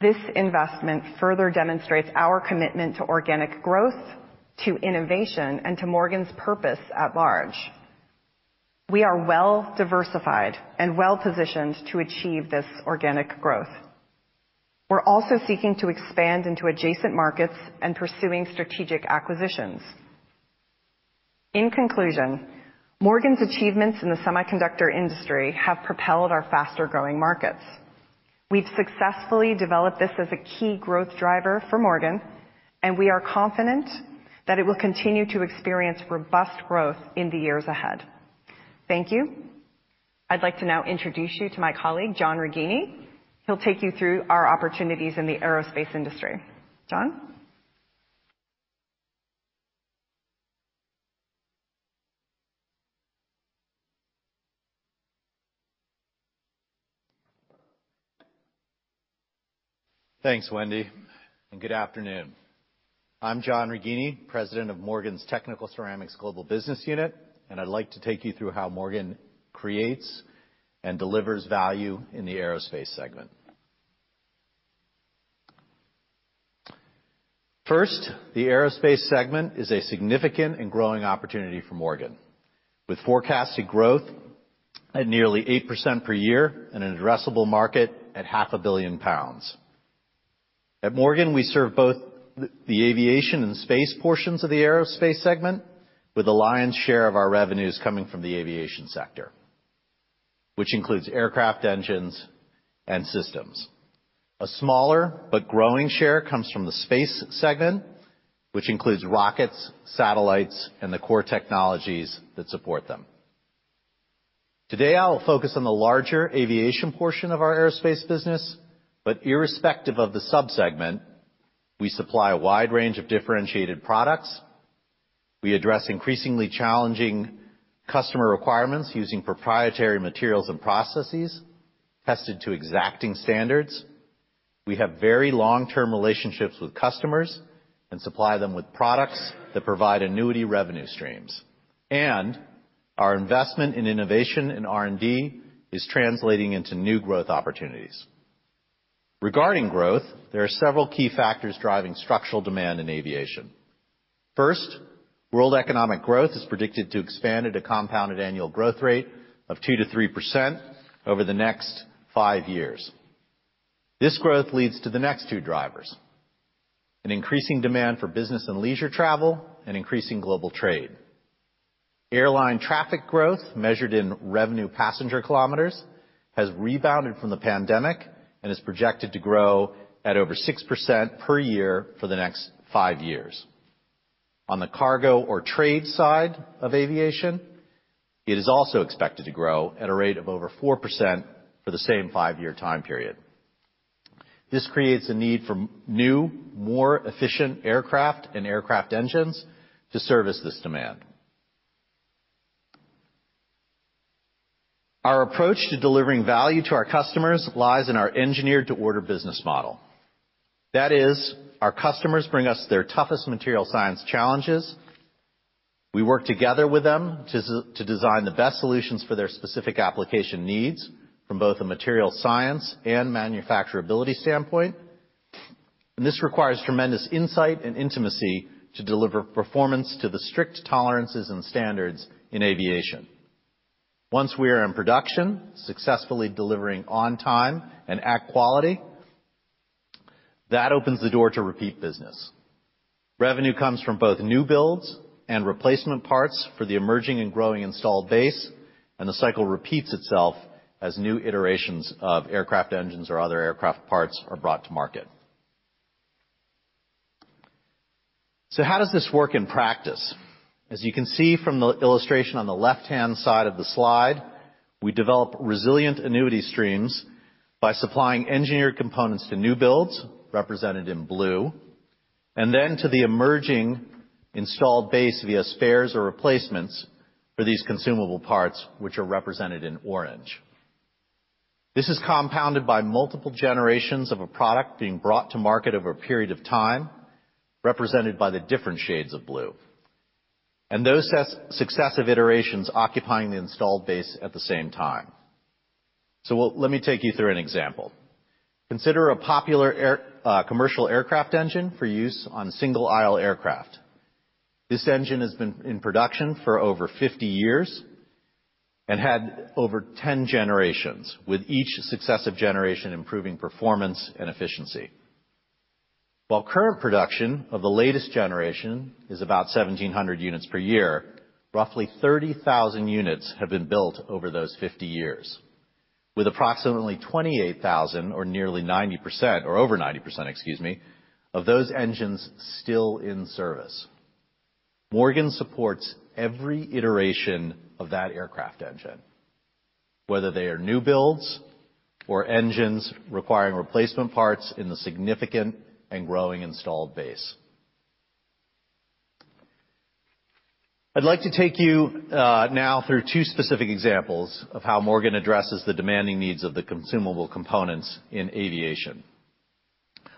This investment further demonstrates our commitment to organic growth, to innovation, and to Morgan's purpose at large. We are well-diversified and well-positioned to achieve this organic growth. We're also seeking to expand into adjacent markets and pursuing strategic acquisitions. In conclusion, Morgan's achievements in the semiconductor industry have propelled our faster-growing markets. We've successfully developed this as a key growth driver for Morgan, and we are confident that it will continue to experience robust growth in the years ahead. Thank you. I'd like to now introduce you to my colleague, John Righini. He'll take you through our opportunities in the aerospace industry. John? Thanks, Wendy, and good afternoon. I'm John Righini, President of Morgan's Technical Ceramics global business unit, and I'd like to take you through how Morgan creates and delivers value in the aerospace segment. First, the aerospace segment is a significant and growing opportunity for Morgan, with forecasted growth at nearly 8% per year and an addressable market at 500 million pounds. At Morgan, we serve both the aviation and space portions of the aerospace segment, with a lion's share of our revenues coming from the aviation sector, which includes aircraft engines and systems. A smaller but growing share comes from the space segment, which includes rockets, satellites, and the core technologies that support them. Today, I'll focus on the larger aviation portion of our aerospace business, but irrespective of the subsegment, we supply a wide range of differentiated products. We address increasingly challenging customer requirements using proprietary materials and processes tested to exacting standards. We have very long-term relationships with customers and supply them with products that provide annuity revenue streams. Our investment in innovation and R&D is translating into new growth opportunities. Regarding growth, there are several key factors driving structural demand in aviation. First, world economic growth is predicted to expand at a compounded annual growth rate of 2%-3% over the next five years. This growth leads to the next two drivers: an increasing demand for business and leisure travel and increasing global trade. Airline traffic growth, measured in revenue passenger kilometres, has rebounded from the pandemic and is projected to grow at over 6% per year for the next five years. On the cargo or trade side of aviation, it is also expected to grow at a rate of over 4% for the same five-year time period. This creates a need for new, more efficient aircraft and aircraft engines to service this demand. Our approach to delivering value to our customers lies in our engineered-to-order business model. That is, our customers bring us their toughest material science challenges. We work together with them to design the best solutions for their specific application needs from both a material science and manufacturability standpoint. And this requires tremendous insight and intimacy to deliver performance to the strict tolerances and standards in aviation. Once we are in production, successfully delivering on time and at quality, that opens the door to repeat business. Revenue comes from both new builds and replacement parts for the emerging and growing installed base, and the cycle repeats itself as new iterations of aircraft engines or other aircraft parts are brought to market. So how does this work in practice? As you can see from the illustration on the left-hand side of the slide, we develop resilient annuity streams by supplying engineered components to new builds, represented in blue, and then to the emerging installed base via spares or replacements for these consumable parts, which are represented in orange. This is compounded by multiple generations of a product being brought to market over a period of time, represented by the different shades of blue, and those successive iterations occupying the installed base at the same time. So let me take you through an example. Consider a popular commercial aircraft engine for use on single-aisle aircraft. This engine has been in production for over 50 years and had over 10 generations, with each successive generation improving performance and efficiency. While current production of the latest generation is about 1,700 units per year, roughly 30,000 units have been built over those 50 years, with approximately 28,000 or nearly 90% or over 90%, excuse me, of those engines still in service. Morgan supports every iteration of that aircraft engine, whether they are new builds or engines requiring replacement parts in the significant and growing installed base. I'd like to take you now through two specific examples of how Morgan addresses the demanding needs of the consumable components in aviation.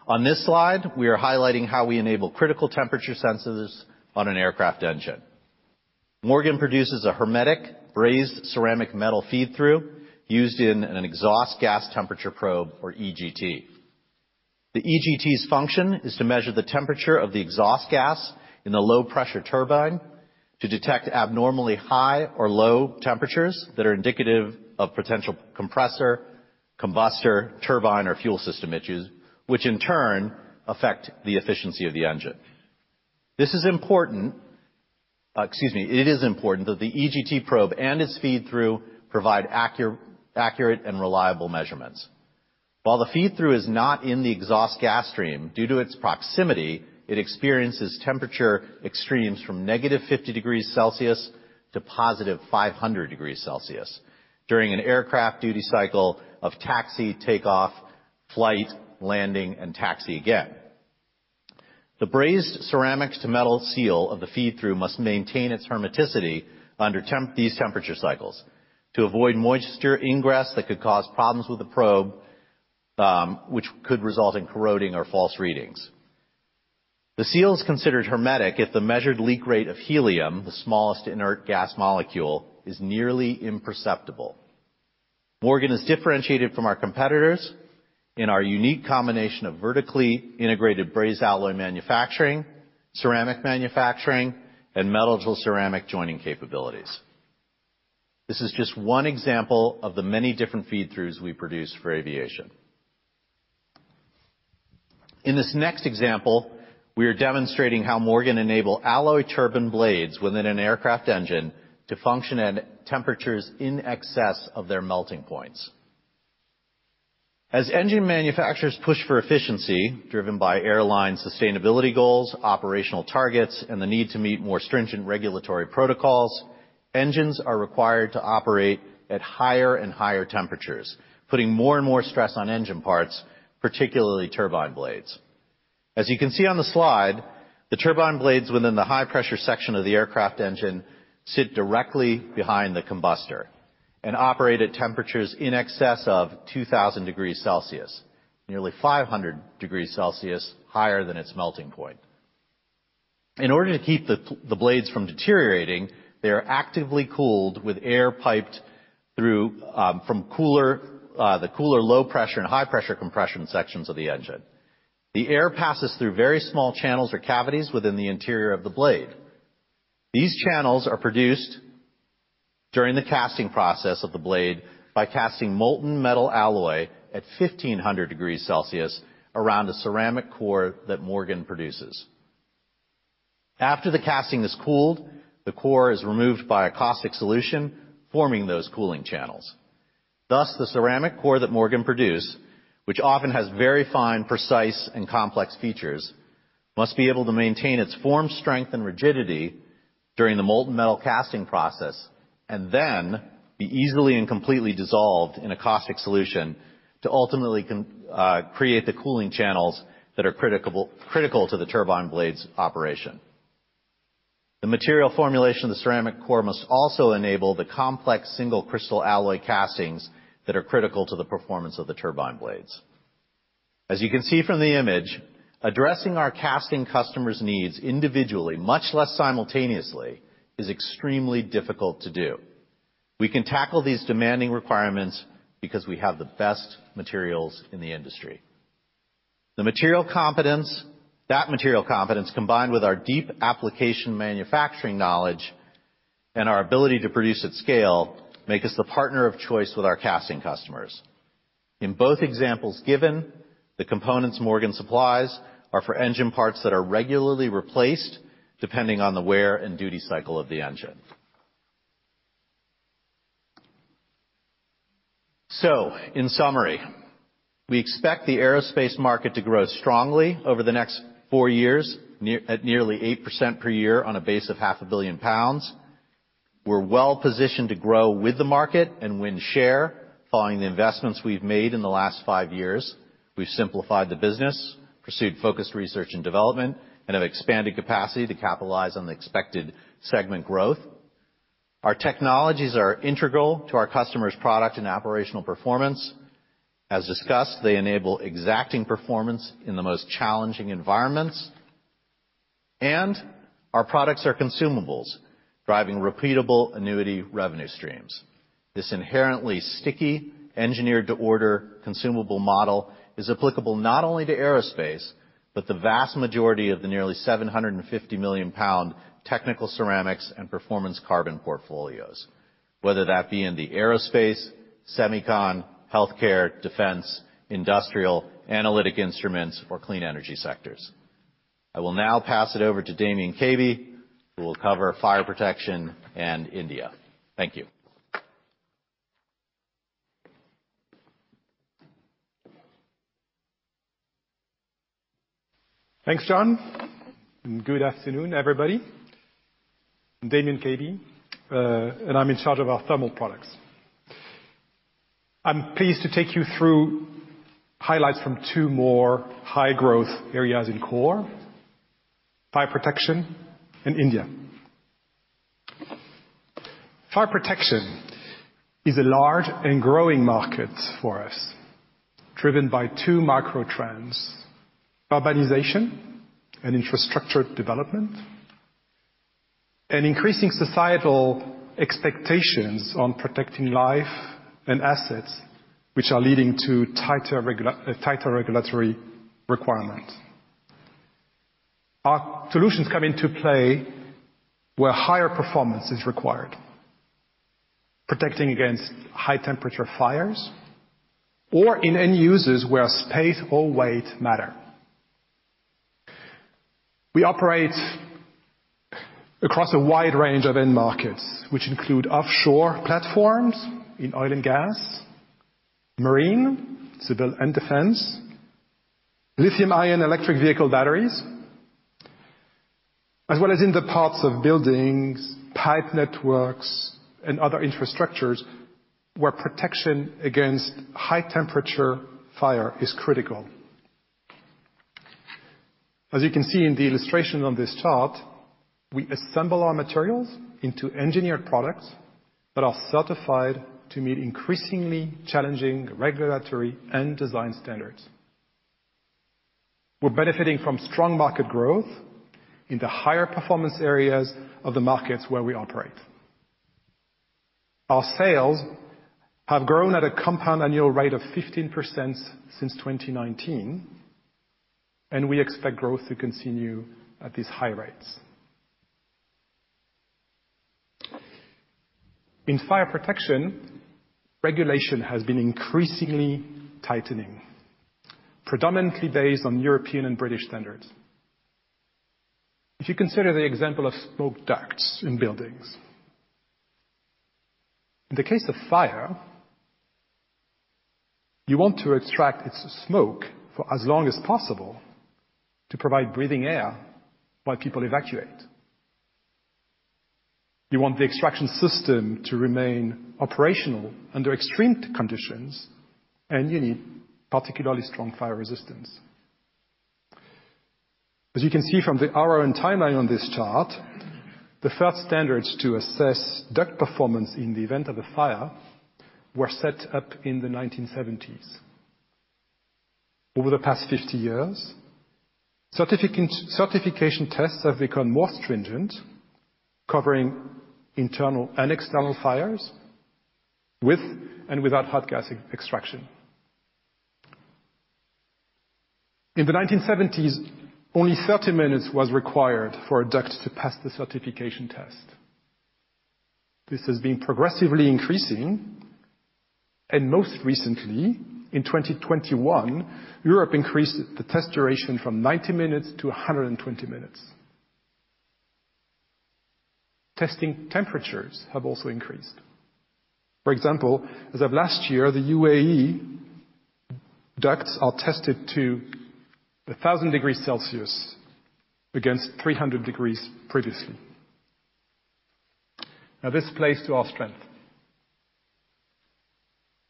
On this slide, we are highlighting how we enable critical temperature sensors on an aircraft engine. Morgan produces a hermetic brazed ceramic metal feed-through used in an exhaust gas temperature probe or EGT. The EGT's function is to measure the temperature of the exhaust gas in the low-pressure turbine to detect abnormally high or low temperatures that are indicative of potential compressor, combustor, turbine, or fuel system issues, which in turn affect the efficiency of the engine. This is important, excuse me, it is important that the EGT probe and its feed-through provide accurate and reliable measurements. While the feed-through is not in the exhaust gas stream due to its proximity, it experiences temperature extremes from -50 degrees Celsius to +500 degrees Celsius during an aircraft duty cycle of taxi, takeoff, flight, landing, and taxi again. The brazed ceramic-to-metal seal of the feed-through must maintain its hermeticity under these temperature cycles to avoid moisture ingress that could cause problems with the probe, which could result in corroding or false readings. The seal is considered hermetic if the measured leak rate of helium, the smallest inert gas molecule, is nearly imperceptible. Morgan is differentiated from our competitors in our unique combination of vertically integrated brazed alloy manufacturing, ceramic manufacturing, and metal-to-ceramic joining capabilities. This is just one example of the many different feed-throughs we produce for aviation. In this next example, we are demonstrating how Morgan enable alloy turbine blades within an aircraft engine to function at temperatures in excess of their melting points. As engine manufacturers push for efficiency driven by airline sustainability goals, operational targets, and the need to meet more stringent regulatory protocols, engines are required to operate at higher and higher temperatures, putting more and more stress on engine parts, particularly turbine blades. As you can see on the slide, the turbine blades within the high-pressure section of the aircraft engine sit directly behind the combustor and operate at temperatures in excess of 2,000 degrees Celsius, nearly 500 degrees Celsius higher than its melting point. In order to keep the blades from deteriorating, they are actively cooled with air piped through from the cooler low-pressure and high-pressure compression sections of the engine. The air passes through very small channels or cavities within the interior of the blade. These channels are produced during the casting process of the blade by casting molten metal alloy at 1,500 degrees Celsius around a ceramic core that Morgan produces. After the casting is cooled, the core is removed by a caustic solution forming those cooling channels. Thus, the ceramic core that Morgan produce, which often has very fine, precise, and complex features, must be able to maintain its form, strength, and rigidity during the molten metal casting process and then be easily and completely dissolved in a caustic solution to ultimately create the cooling channels that are critical to the turbine blade's operation. The material formulation of the ceramic core must also enable the complex single crystal alloy castings that are critical to the performance of the turbine blades. As you can see from the image, addressing our casting customers' needs individually, much less simultaneously, is extremely difficult to do. We can tackle these demanding requirements because we have the best materials in the industry. The material competence, that material competence, combined with our deep application manufacturing knowledge and our ability to produce at scale, makes us the partner of choice with our casting customers. In both examples given, the components Morgan supplies are for engine parts that are regularly replaced depending on the wear and duty cycle of the engine. So, in summary, we expect the aerospace market to grow strongly over the next four years at nearly 8% per year on a base of 500 million pounds. We're well-positioned to grow with the market and win share following the investments we've made in the last five years. We've simplified the business, pursued focused research and development, and have expanded capacity to capitalize on the expected segment growth. Our technologies are integral to our customers' product and operational performance. As discussed, they enable exacting performance in the most challenging environments. Our products are consumables, driving repeatable annuity revenue streams. This inherently sticky, engineered-to-order consumable model is applicable not only to aerospace but the vast majority of the nearly 750 million pound Technical Ceramics and Performance Carbon portfolios, whether that be in the aerospace, semicon, healthcare, defense, industrial, analytic instruments, or clean energy sectors. I will now pass it over to Damien Caby, who will cover fire protection and India. Thank you. Thanks, John. Good afternoon, everybody. I'm Damien Caby, and I'm in charge of our Thermal Products. I'm pleased to take you through highlights from two more high-growth areas in core: fire protection and India. Fire protection is a large and growing market for us, driven by two micro-trends: urbanization and infrastructure development, and increasing societal expectations on protecting life and assets, which are leading to tighter regulatory requirements. Our solutions come into play where higher performance is required: protecting against high-temperature fires or in end uses where space or weight matter. We operate across a wide range of end markets, which include offshore platforms in oil and gas, marine, civil and defense, lithium-ion electric vehicle batteries, as well as in the parts of buildings, pipe networks, and other infrastructures where protection against high-temperature fire is critical. As you can see in the illustration on this chart, we assemble our materials into engineered products that are certified to meet increasingly challenging regulatory and design standards. We're benefiting from strong market growth in the higher performance areas of the markets where we operate. Our sales have grown at a compound annual rate of 15% since 2019, and we expect growth to continue at these high rates. In fire protection, regulation has been increasingly tightening, predominantly based on European and British standards. If you consider the example of smoke ducts in buildings, in the case of fire, you want to extract its smoke for as long as possible to provide breathing air while people evacuate. You want the extraction system to remain operational under extreme conditions, and you need particularly strong fire resistance. As you can see from the long timeline on this chart, the first standards to assess duct performance in the event of a fire were set up in the 1970s. Over the past 50 years, certification tests have become more stringent, covering internal and external fires with and without hot gas extraction. In the 1970s, only 30 minutes was required for a duct to pass the certification test. This has been progressively increasing, and most recently, in 2021, Europe increased the test duration from 90 minutes to 120 minutes. Testing temperatures have also increased. For example, as of last year, the U.A.E. ducts are tested to 1,000 degrees Celsius against 300 degrees previously. Now, this plays to our strength.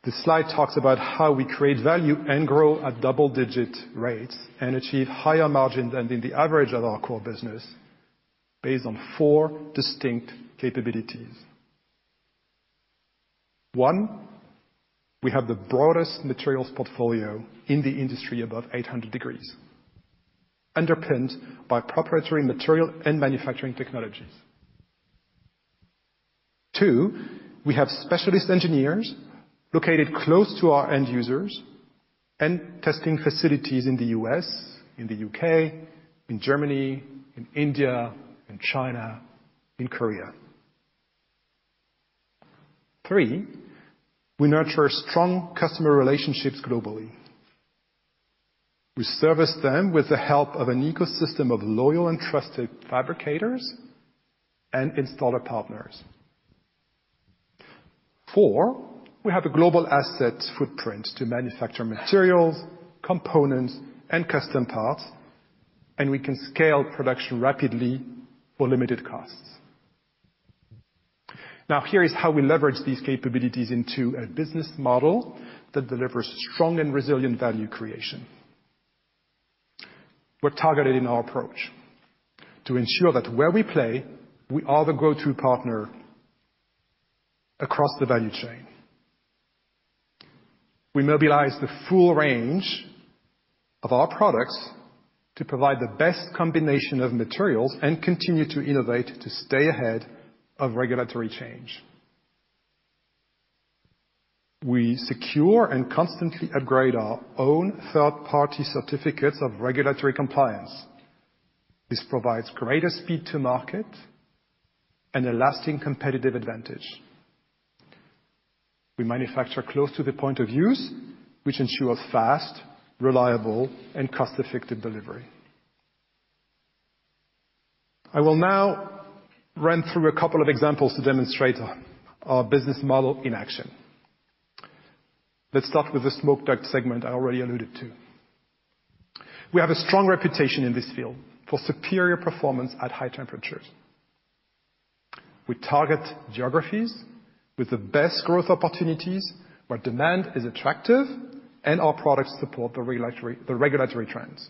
This slide talks about how we create value and grow at double-digit rates and achieve higher margins than in the average of our core business based on four distinct capabilities. One, we have the broadest materials portfolio in the industry above 800 degrees, underpinned by proprietary material and manufacturing technologies. Two, we have specialist engineers located close to our end users and testing facilities in the U.S., in the U.K., in Germany, in India, in China, in Korea. Three, we nurture strong customer relationships globally. We service them with the help of an ecosystem of loyal and trusted fabricators and installer partners. Four, we have a global asset footprint to manufacture materials, components, and custom parts, and we can scale production rapidly for limited costs. Now, here is how we leverage these capabilities into a business model that delivers strong and resilient value creation. We're targeted in our approach to ensure that where we play, we are the go-to partner across the value chain. We mobilize the full range of our products to provide the best combination of materials and continue to innovate to stay ahead of regulatory change. We secure and constantly upgrade our own third-party certificates of regulatory compliance. This provides greater speed to market and a lasting competitive advantage. We manufacture close to the point of use, which ensures fast, reliable, and cost-effective delivery. I will now run through a couple of examples to demonstrate our business model in action. Let's start with the smoke duct segment I already alluded to. We have a strong reputation in this field for superior performance at high temperatures. We target geographies with the best growth opportunities where demand is attractive and our products support the regulatory trends.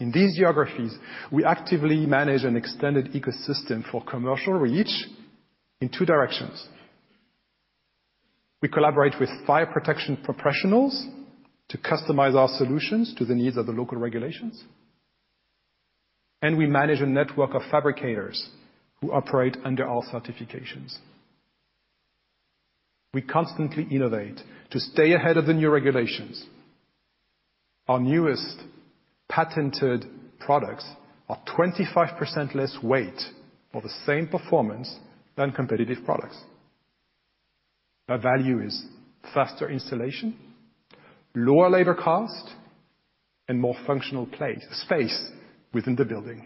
In these geographies, we actively manage an extended ecosystem for commercial reach in two directions. We collaborate with fire protection professionals to customize our solutions to the needs of the local regulations, and we manage a network of fabricators who operate under our certifications. We constantly innovate to stay ahead of the new regulations. Our newest patented products are 25% less weight for the same performance than competitive products. Our value is faster installation, lower labor costs, and more functional space within the building.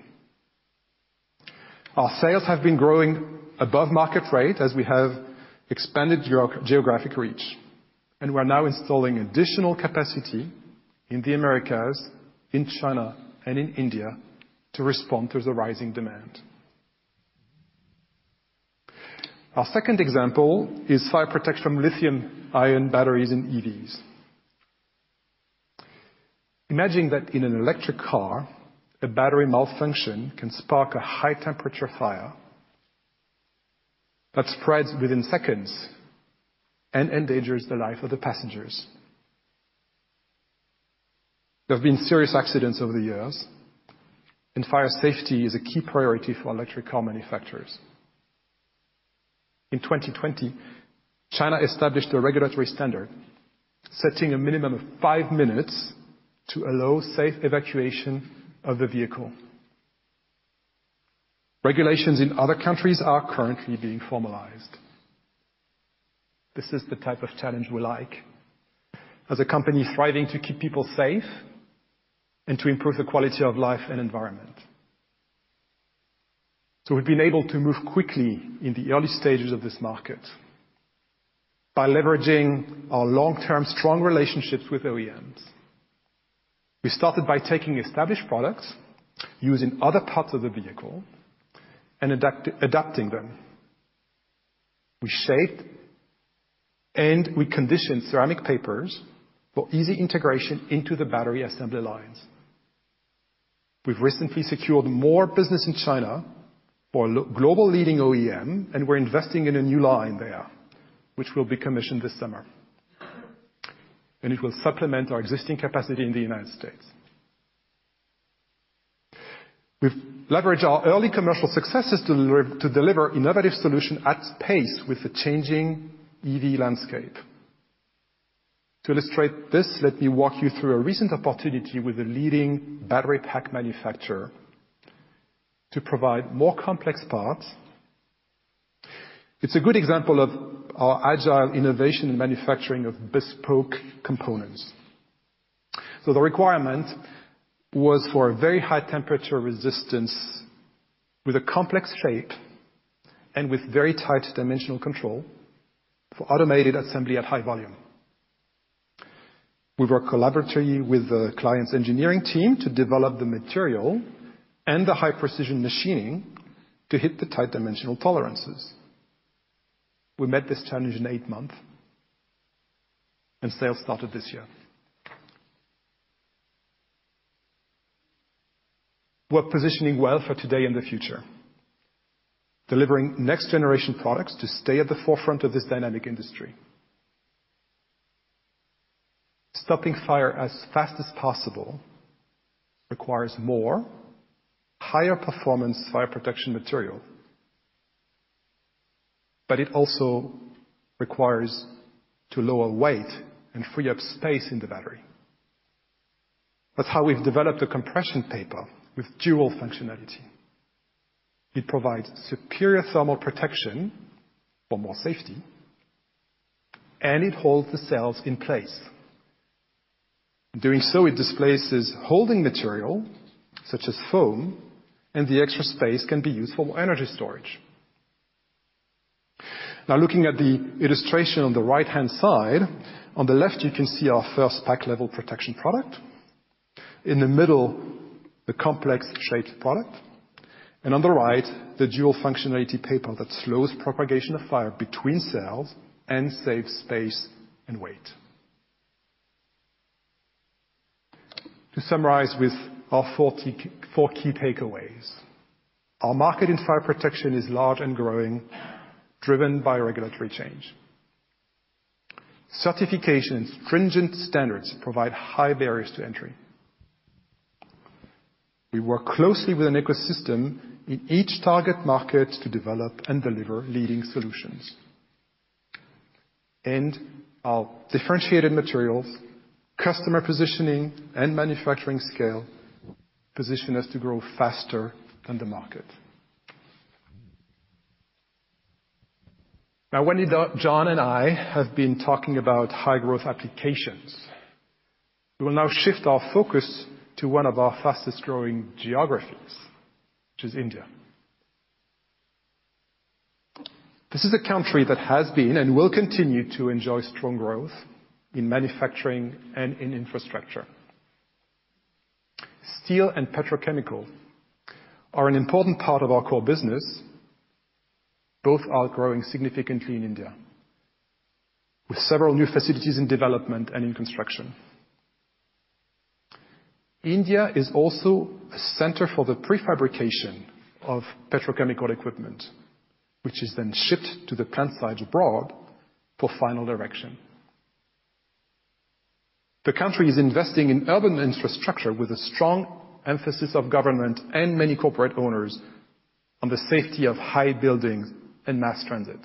Our sales have been growing above market rate as we have expanded geographic reach, and we are now installing additional capacity in the Americas, in China, and in India to respond to the rising demand. Our second example is fire protection from lithium-ion batteries in EVs. Imagine that in an electric car, a battery malfunction can spark a high-temperature fire that spreads within seconds and endangers the life of the passengers. There have been serious accidents over the years, and fire safety is a key priority for electric car manufacturers. In 2020, China established a regulatory standard setting a minimum of five minutes to allow safe evacuation of the vehicle. Regulations in other countries are currently being formalized. This is the type of challenge we like as a company striving to keep people safe and to improve the quality of life and environment. So we've been able to move quickly in the early stages of this market by leveraging our long-term strong relationships with OEMs. We started by taking established products, using other parts of the vehicle, and adapting them. We shaped and we conditioned ceramic papers for easy integration into the battery assembly lines. We've recently secured more business in China for a global leading OEM, and we're investing in a new line there, which will be commissioned this summer, and it will supplement our existing capacity in the United States. We've leveraged our early commercial successes to deliver innovative solutions at pace with the changing EV landscape. To illustrate this, let me walk you through a recent opportunity with a leading battery pack manufacturer to provide more complex parts. It's a good example of our agile innovation and manufacturing of bespoke components. So the requirement was for a very high-temperature resistance with a complex shape and with very tight dimensional control for automated assembly at high volume. We worked collaboratively with the client's engineering team to develop the material and the high-precision machining to hit the tight dimensional tolerances. We met this challenge in eight months, and sales started this year. We're positioning well for today and the future, delivering next-generation products to stay at the forefront of this dynamic industry. Stopping fire as fast as possible requires more, higher-performance fire protection material, but it also requires lower weight and free up space in the battery. That's how we've developed a compression paper with dual functionality. It provides superior thermal protection for more safety, and it holds the cells in place. In doing so, it displaces holding material such as foam, and the extra space can be used for energy storage. Now, looking at the illustration on the right-hand side, on the left, you can see our first pack-level protection product. In the middle, the complex-shaped product, and on the right, the dual functionality paper that slows propagation of fire between cells and saves space and weight. To summarize with our four key takeaways, our market in fire protection is large and growing, driven by regulatory change. Certification and stringent standards provide high barriers to entry. We work closely with an ecosystem in each target market to develop and deliver leading solutions. Our differentiated materials, customer positioning, and manufacturing scale position us to grow faster than the market. Now, when John and I have been talking about high-growth applications, we will now shift our focus to one of our fastest-growing geographies, which is India. This is a country that has been and will continue to enjoy strong growth in manufacturing and in infrastructure. Steel and petrochemical are an important part of our core business, both outgrowing significantly in India, with several new facilities in development and in construction. India is also a center for the prefabrication of petrochemical equipment, which is then shipped to the plant sites abroad for final erection. The country is investing in urban infrastructure with a strong emphasis of government and many corporate owners on the safety of high buildings and mass transit.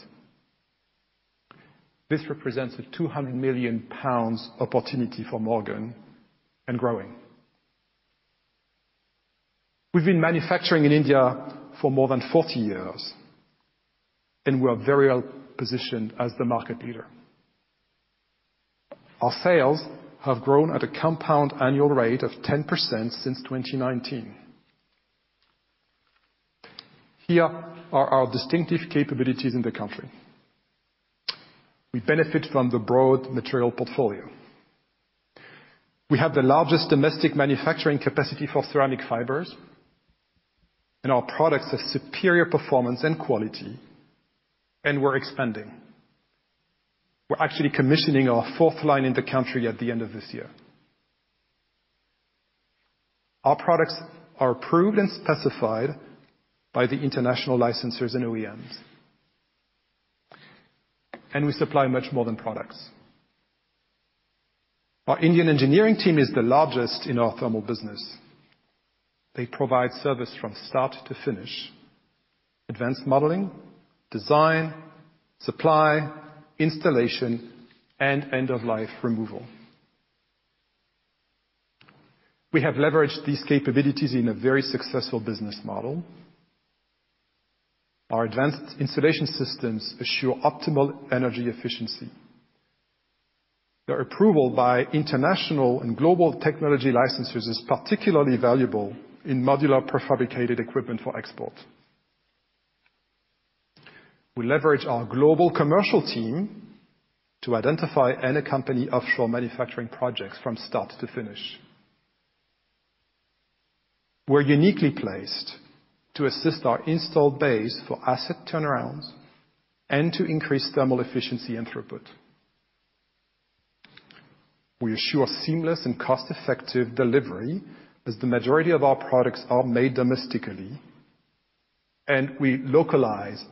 This represents a 200 million pounds opportunity for Morgan and growing. We've been manufacturing in India for more than 40 years, and we are very well positioned as the market leader. Our sales have grown at a compound annual rate of 10% since 2019. Here are our distinctive capabilities in the country. We benefit from the broad material portfolio. We have the largest domestic manufacturing capacity for ceramic fibers, and our products have superior performance and quality, and we're expanding. We're actually commissioning our fourth line in the country at the end of this year. Our products are approved and specified by the international licensors and OEMs, and we supply much more than products. Our Indian engineering team is the largest in our thermal business. They provide service from start to finish: advanced modeling, design, supply, installation, and end-of-life removal. We have leveraged these capabilities in a very successful business model. Our advanced insulation systems assure optimal energy efficiency. Their approval by international and global technology licensors is particularly valuable in modular prefabricated equipment for export. We leverage our global commercial team to identify and accompany offshore manufacturing projects from start to finish. We're uniquely placed to assist our installed base for asset turnarounds and to increase thermal efficiency and throughput. We assure seamless and cost-effective delivery as the majority of our products are made domestically, and we localize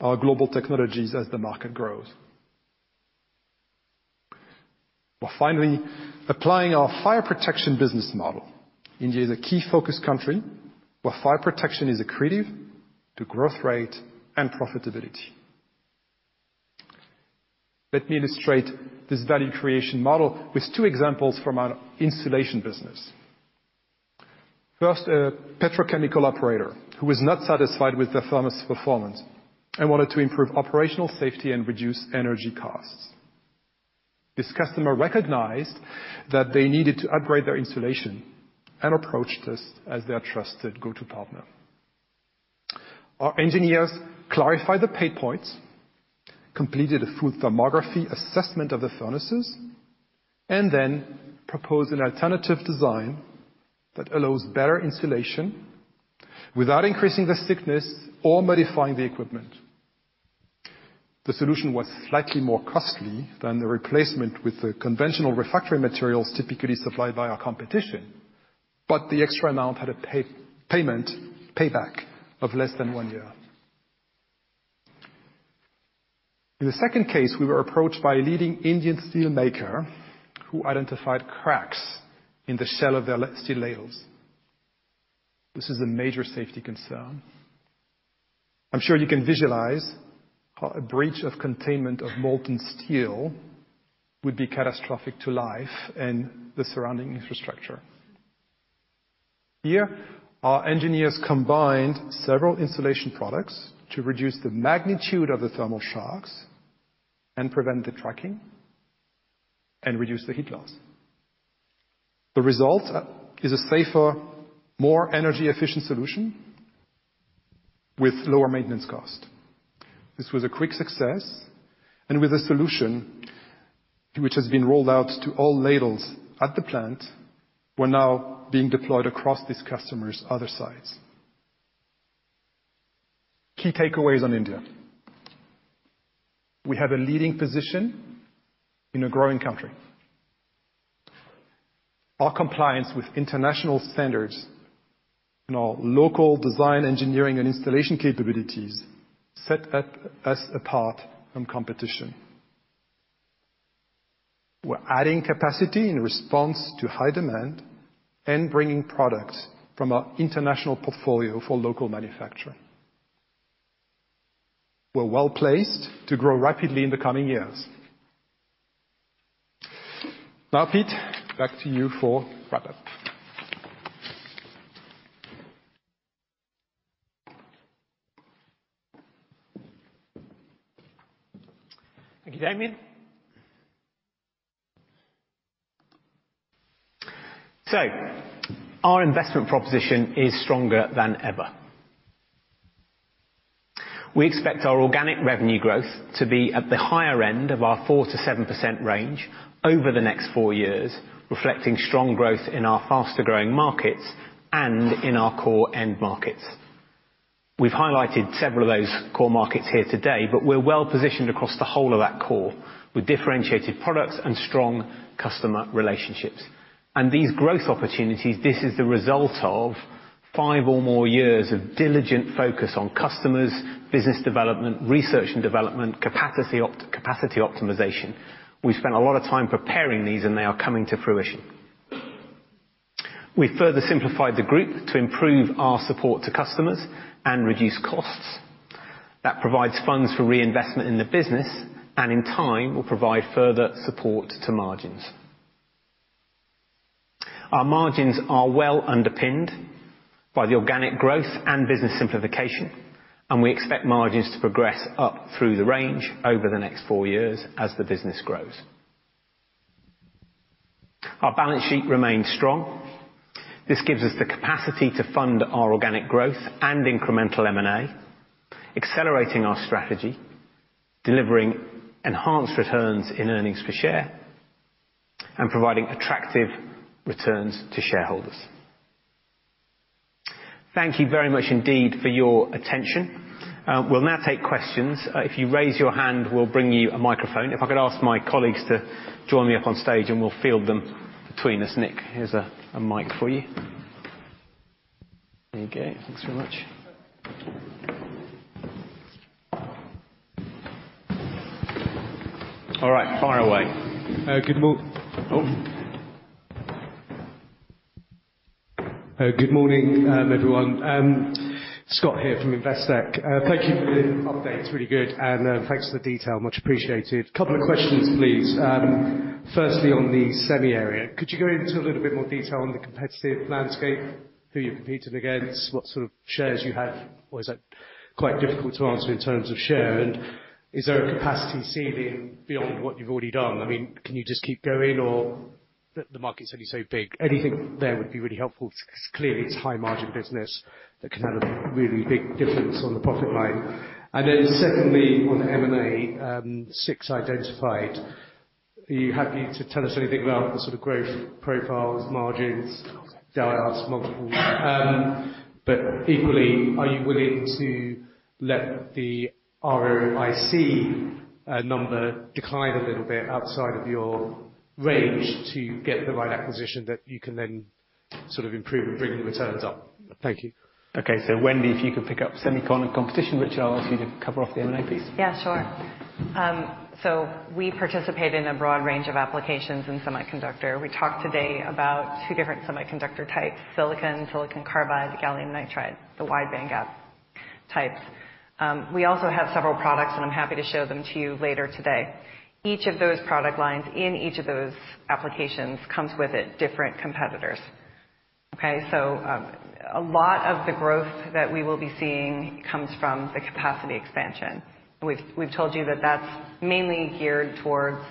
our global technologies as the market grows. We're finally applying our fire protection business model. India is a key focus country where fire protection is accretive to growth rate and profitability. Let me illustrate this value creation model with two examples from our insulation business. First, a petrochemical operator who was not satisfied with the thermal performance and wanted to improve operational safety and reduce energy costs. This customer recognized that they needed to upgrade their insulation and approached us as their trusted go-to partner. Our engineers clarified the pain points, completed a full thermography assessment of the furnaces, and then proposed an alternative design that allows better insulation without increasing the thickness or modifying the equipment. The solution was slightly more costly than the replacement with the conventional refractory materials typically supplied by our competition, but the extra amount had a payback of less than one year. In the second case, we were approached by a leading Indian steelmaker who identified cracks in the shell of their steel ladles. This is a major safety concern. I'm sure you can visualize how a breach of containment of molten steel would be catastrophic to life and the surrounding infrastructure. Here, our engineers combined several insulation products to reduce the magnitude of the thermal shocks and prevent the cracking and reduce the heat loss. The result is a safer, more energy-efficient solution with lower maintenance costs. This was a quick success, and with a solution which has been rolled out to all ladles at the plant, we're now being deployed across this customer's other sites. Key takeaways on India. We have a leading position in a growing country. Our compliance with international standards and our local design, engineering, and installation capabilities set us apart from competition. We're adding capacity in response to high demand and bringing products from our international portfolio for local manufacturing. We're well placed to grow rapidly in the coming years. Now, Pete, back to you for wrap-up. Thank you, Damien. So our investment proposition is stronger than ever. We expect our organic revenue growth to be at the higher end of our 4%-7% range over the next four years, reflecting strong growth in our faster-growing markets and in our core end markets. We've highlighted several of those core markets here today, but we're well positioned across the whole of that core with differentiated products and strong customer relationships. And these growth opportunities, this is the result of five or more years of diligent focus on customers, business development, research and development, capacity optimization. We've spent a lot of time preparing these, and they are coming to fruition. We've further simplified the group to improve our support to customers and reduce costs. That provides funds for reinvestment in the business, and in time, will provide further support to margins. Our margins are well underpinned by the organic growth and business simplification, and we expect margins to progress up through the range over the next four years as the business grows. Our balance sheet remains strong. This gives us the capacity to fund our organic growth and incremental M&A, accelerating our strategy, delivering enhanced returns in earnings per share, and providing attractive returns to shareholders. Thank you very much indeed for your attention. We'll now take questions. If you raise your hand, we'll bring you a microphone. If I could ask my colleagues to join me up on stage, and we'll field them between us. Nick, here's a mic for you. There you go. Thanks very much. All right. Fire away. Good morning. Good morning, everyone. Scott here from Investec. Thank you for the updates. Really good. And thanks for the detail. Much appreciated. Couple of questions, please. Firstly, on the semi area, could you go into a little bit more detail on the competitive landscape? Who you're competing against? What sort of shares you have? Always quite difficult to answer in terms of share. And is there a capacity ceiling beyond what you've already done? I mean, can you just keep going, or the market's only so big? Anything there would be really helpful because clearly, it's a high-margin business that can have a really big difference on the profit line. And then secondly, on the M&A, six identified. Are you happy to tell us anything about the sort of growth profiles, margins, IRRs, multiple? But equally, are you willing to let the ROIC number decline a little bit outside of your range to get the right acquisition that you can then sort of improve and bring returns up? Thank you. Okay. So Wendy, if you could pick up semi competition, Richard, I'll ask you to cover off the M&A, please. Yeah, sure. So we participate in a broad range of applications in semiconductor. We talked today about two different semiconductor types: silicon, silicon carbide, gallium nitride, the wide-bandgap types. We also have several products, and I'm happy to show them to you later today. Each of those product lines, in each of those applications, comes with different competitors. Okay? So a lot of the growth that we will be seeing comes from the capacity expansion. And we've told you that that's mainly geared towards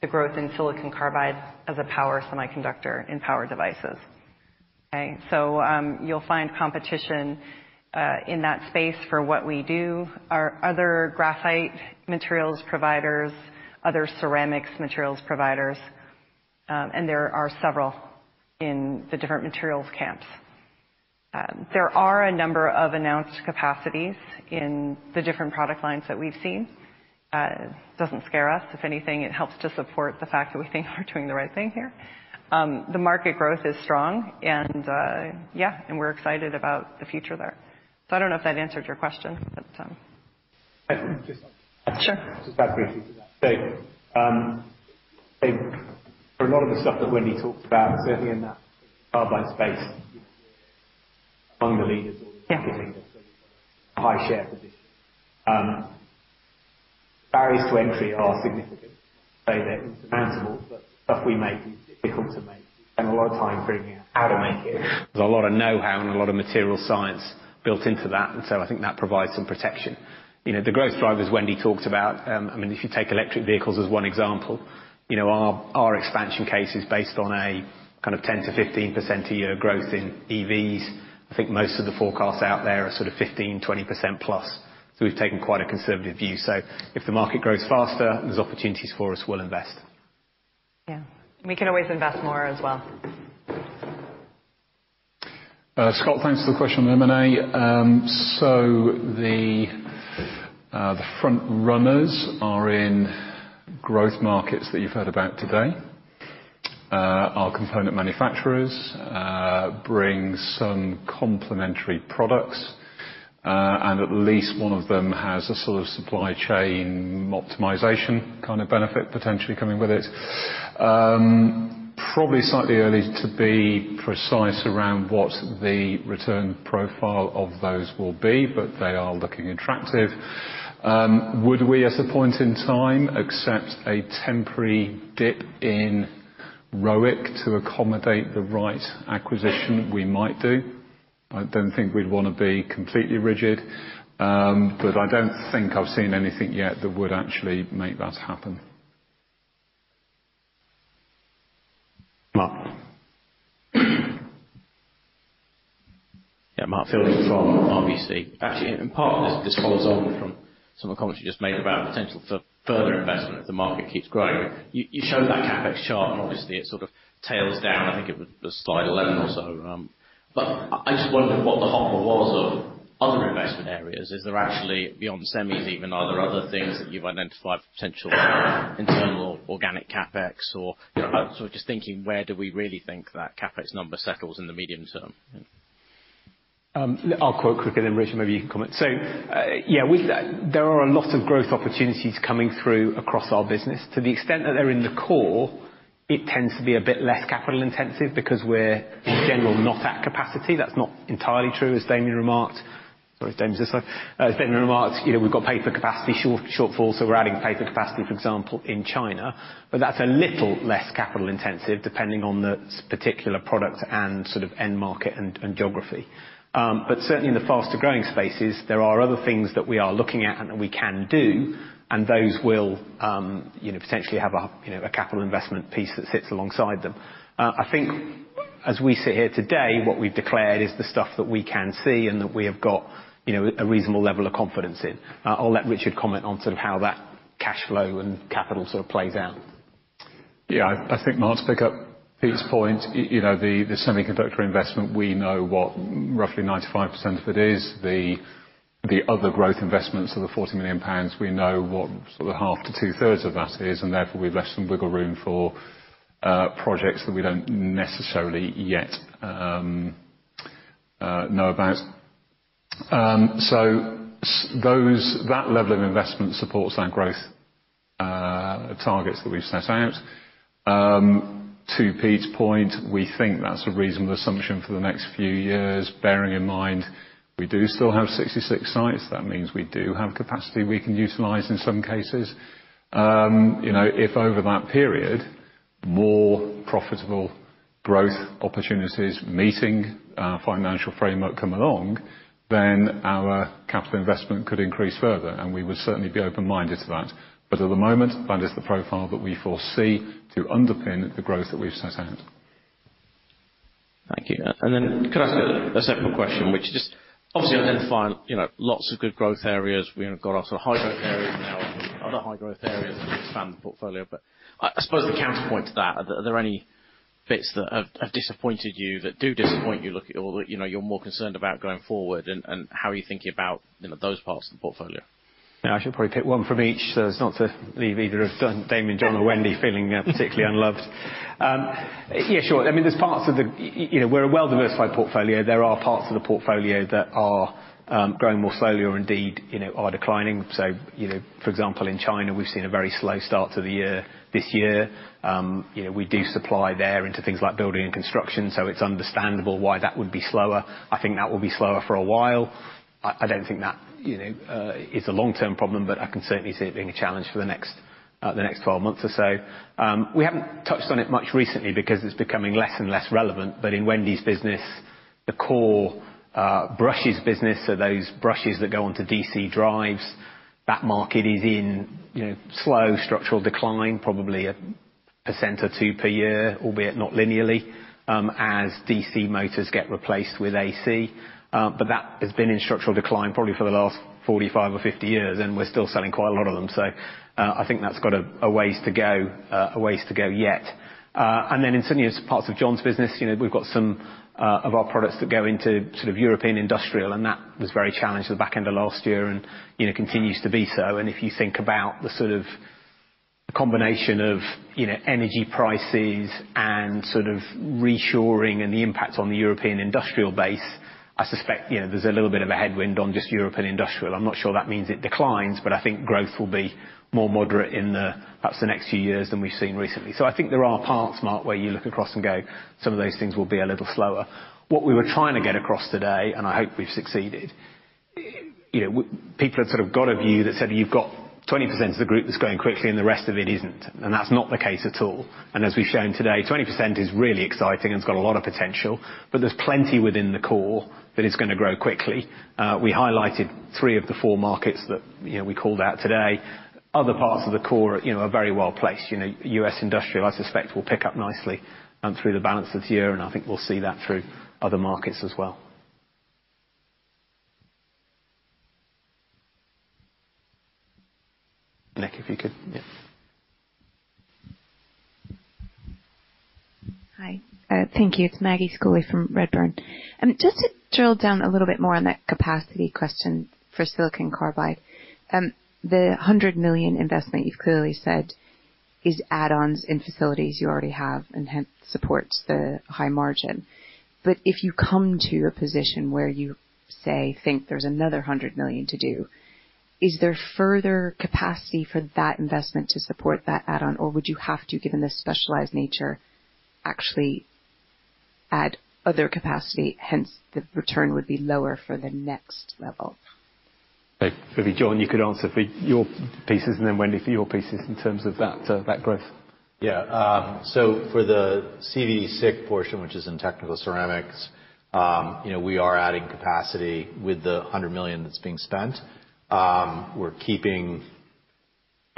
the growth in silicon carbide as a power semiconductor in power devices. Okay? So you'll find competition in that space for what we do. Other graphite materials providers, other ceramics materials providers, and there are several in the different materials camps. There are a number of announced capacities in the different product lines that we've seen. It doesn't scare us. If anything, it helps to support the fact that we think we're doing the right thing here. The market growth is strong, and yeah, and we're excited about the future there. So I don't know if that answered your question, but. Can I just? Sure. Just back briefly to that. So for a lot of the stuff that Wendy talked about, certainly in that carbide space, you're among the leaders or the market leaders, so you've got a high-share position. Barriers to entry are significant. I'd say they're insurmountable, but stuff we make is difficult to make. We spend a lot of time figuring out how to make it. There's a lot of know-how and a lot of material science built into that, and so I think that provides some protection. The growth drivers Wendy talked about, I mean, if you take electric vehicles as one example, our expansion case is based on a kind of 10%-15% a year growth in EVs. I think most of the forecasts out there are sort of 15%-20%+. So we've taken quite a conservative view. So if the market grows faster, there's opportunities for us. We'll invest. Yeah. We can always invest more as well. Scott, thanks for the question on M&A. So the frontrunners are in growth markets that you've heard about today. Our component manufacturers bring some complementary products, and at least one of them has a sort of supply chain optimization kind of benefit potentially coming with it. Probably slightly early to be precise around what the return profile of those will be, but they are looking attractive. Would we, at a point in time, accept a temporary dip in ROIC to accommodate the right acquisition? We might do. I don't think we'd want to be completely rigid, but I don't think I've seen anything yet that would actually make that happen. Mark. Yeah. Mark Fielding from RBC. Actually, in part, this follows on from some of the comments you just made about potential for further investment if the market keeps growing. You showed that CapEx chart, and obviously, it sort of tails down. I think it was slide 11 or so. But I just wondered what the hopper was of other investment areas. Is there actually, beyond semis even, are there other things that you've identified for potential internal organic CapEx? Or sort of just thinking, where do we really think that CapEx number settles in the medium term? I'll quote quickly then, Richard. Maybe you can comment. So yeah, there are a lot of growth opportunities coming through across our business. To the extent that they're in the core, it tends to be a bit less capital-intensive because we're, in general, not at capacity. That's not entirely true, as Damien remarked. Sorry, Damien, this side. As Damien remarked, we've got paper capacity shortfall, so we're adding paper capacity, for example, in China. But that's a little less capital-intensive depending on the particular product and sort of end market and geography. But certainly, in the faster-growing spaces, there are other things that we are looking at and that we can do, and those will potentially have a capital investment piece that sits alongside them. I think, as we sit here today, what we've declared is the stuff that we can see and that we have got a reasonable level of confidence in. I'll let Richard comment on sort of how that cash flow and capital sort of plays out. Yeah. I think Mark's picked up Pete's point. The semiconductor investment, we know what roughly 95% of it is. The other growth investments of the 40 million pounds, we know what sort of half to two-thirds of that is, and therefore, we've left some wiggle room for projects that we don't necessarily yet know about. So that level of investment supports our growth targets that we've set out. To Pete's point, we think that's a reasonable assumption for the next few years, bearing in mind we do still have 66 sites. That means we do have capacity we can utilize in some cases. If over that period, more profitable growth opportunities meeting our financial framework come along, then our capital investment could increase further, and we would certainly be open-minded to that. But at the moment, that is the profile that we foresee to underpin the growth that we've set out. Thank you. And then could I ask a separate question, which is just obviously identifying lots of good growth areas. We've got our sort of high-growth areas and now other high-growth areas to expand the portfolio. But I suppose the counterpoint to that, are there any bits that have disappointed you, that do disappoint you, or that you're more concerned about going forward? How are you thinking about those parts of the portfolio? Yeah. I should probably pick one from each so as not to leave either of Damien, John, or Wendy feeling particularly unloved. Yeah, sure. I mean, there are parts of the portfolio. We're a well-diversified portfolio. There are parts of the portfolio that are growing more slowly or indeed are declining. So for example, in China, we've seen a very slow start to the year this year. We do supply there into things like building and construction, so it's understandable why that would be slower. I think that will be slower for a while. I don't think that is a long-term problem, but I can certainly see it being a challenge for the next 12 months or so. We haven't touched on it much recently because it's becoming less and less relevant. But in Wendy's business, the core brushes business are those brushes that go onto DC drives. That market is in slow structural decline, probably 1% or 2% per year, albeit not linearly, as DC motors get replaced with AC. But that has been in structural decline probably for the last 45 or 50 years, and we're still selling quite a lot of them. So I think that's got a ways to go yet. And then in certain parts of John's business, we've got some of our products that go into sort of European industrial, and that was very challenged at the back end of last year and continues to be so. And if you think about the sort of combination of energy prices and sort of reshoring and the impact on the European industrial base, I suspect there's a little bit of a headwind on just European industrial. I'm not sure that means it declines, but I think growth will be more moderate in perhaps the next few years than we've seen recently. So I think there are parts, Mark, where you look across and go, "Some of those things will be a little slower." What we were trying to get across today, and I hope we've succeeded, people have sort of got a view that said, "You've got 20% of the group that's going quickly, and the rest of it isn't." And that's not the case at all. And as we've shown today, 20% is really exciting and it's got a lot of potential, but there's plenty within the core that is going to grow quickly. We highlighted three of the four markets that we called out today. Other parts of the core are very well placed. U.S. industrial, I suspect, will pick up nicely through the balance of the year, and I think we'll see that through other markets as well. Nick, if you could. Yeah. Hi. Thank you. It's Maggie Schooley from Redburn. Just to drill down a little bit more on that capacity question for silicon carbide, the 100 million investment you've clearly said is add-ons in facilities you already have and hence supports the high margin. But if you come to a position where you, say, think there's another 100 million to do, is there further capacity for that investment to support that add-on, or would you have to, given the specialized nature, actually add other capacity? Hence, the return would be lower for the next level. Maybe John, you could answer for your pieces, and then Wendy for your pieces in terms of that growth. Yeah. So for the CVD SiC portion, which is in Technical Ceramics, we are adding capacity with the 100 million that's being spent. We're keeping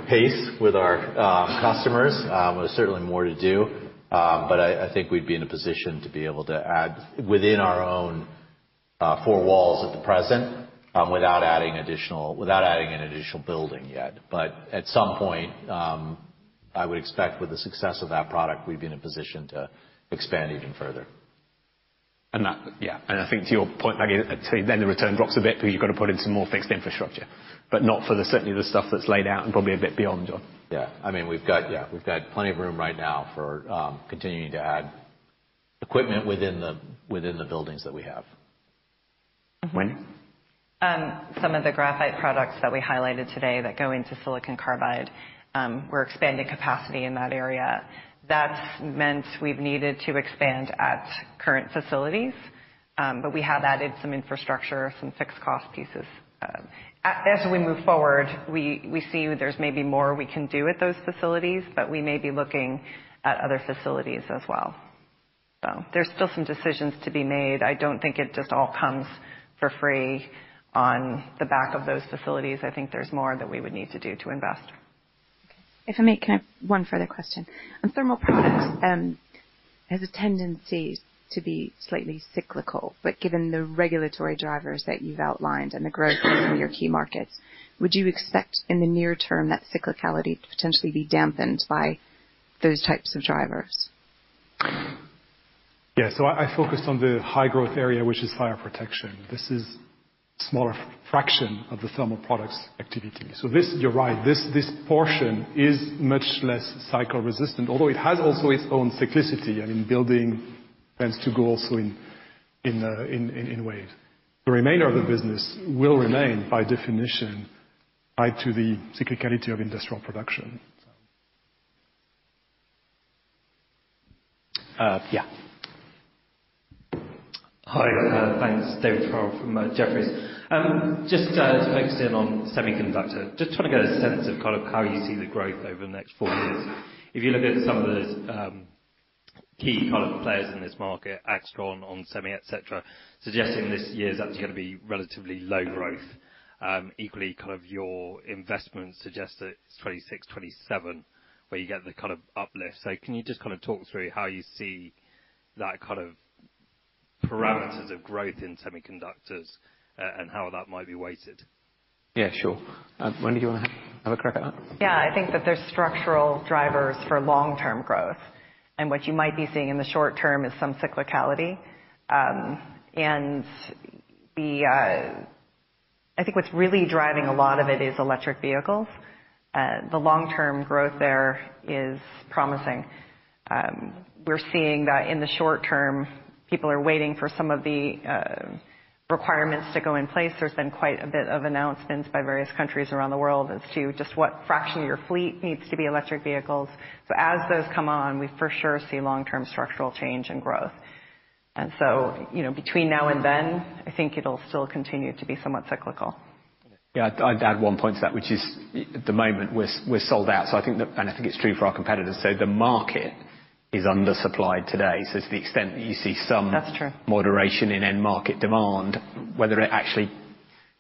pace with our customers. There's certainly more to do, but I think we'd be in a position to be able to add within our own four walls at the present without adding an additional building yet. But at some point, I would expect with the success of that product, we'd be in a position to expand even further. Yeah. And I think to your point, Maggie, then the return drops a bit because you've got to put in some more fixed infrastructure, but not for certainly the stuff that's laid out and probably a bit beyond, John. Yeah. I mean, yeah, we've got plenty of room right now for continuing to add equipment within the buildings that we have. Wendy? Some of the graphite products that we highlighted today that go into silicon carbide, we're expanding capacity in that area. That's meant we've needed to expand at current facilities, but we have added some infrastructure, some fixed-cost pieces. As we move forward, we see there's maybe more we can do at those facilities, but we may be looking at other facilities as well. So there's still some decisions to be made. I don't think it just all comes for free on the back of those facilities. I think there's more that we would need to do to invest. Okay. If I may, can I have one further question? Thermal Products has a tendency to be slightly cyclical, but given the regulatory drivers that you've outlined and the growth in some of your key markets, would you expect in the near term that cyclicality to potentially be dampened by those types of drivers? Yeah. So I focused on the high-growth area, which is fire protection. This is a smaller fraction of the Thermal Products activity. So you're right. This portion is much less cycle-resistant, although it has also its own cyclicity. I mean, building tends to go also in waves. The remainder of the business will remain, by definition, tied to the cyclicality of industrial production. Yeah. Hi. Thanks. David Farrell from Jefferies. Just to focus in on semiconductor, just trying to get a sense of kind of how you see the growth over the next four years. If you look at some of the key kind of players in this market, Aixtron, onsemi, etc., suggesting this year's actually going to be relatively low growth. Equally, kind of your investments suggest that it's 2026, 2027 where you get the kind of uplift. So can you just kind of talk through how you see that kind of parameters of growth in semiconductors and how that might be weighted? Yeah, sure. Wendy, do you want to have a crack at that? Yeah. I think that there's structural drivers for long-term growth, and what you might be seeing in the short term is some cyclicality. And I think what's really driving a lot of it is electric vehicles. The long-term growth there is promising. We're seeing that in the short term, people are waiting for some of the requirements to go in place. There's been quite a bit of announcements by various countries around the world as to just what fraction of your fleet needs to be electric vehicles. So as those come on, we for sure see long-term structural change and growth. And so between now and then, I think it'll still continue to be somewhat cyclical. Yeah. I'd add one point to that, which is at the moment, we're sold out. And I think it's true for our competitors. So the market is undersupplied today. So to the extent that you see some moderation in end-market demand, whether it actually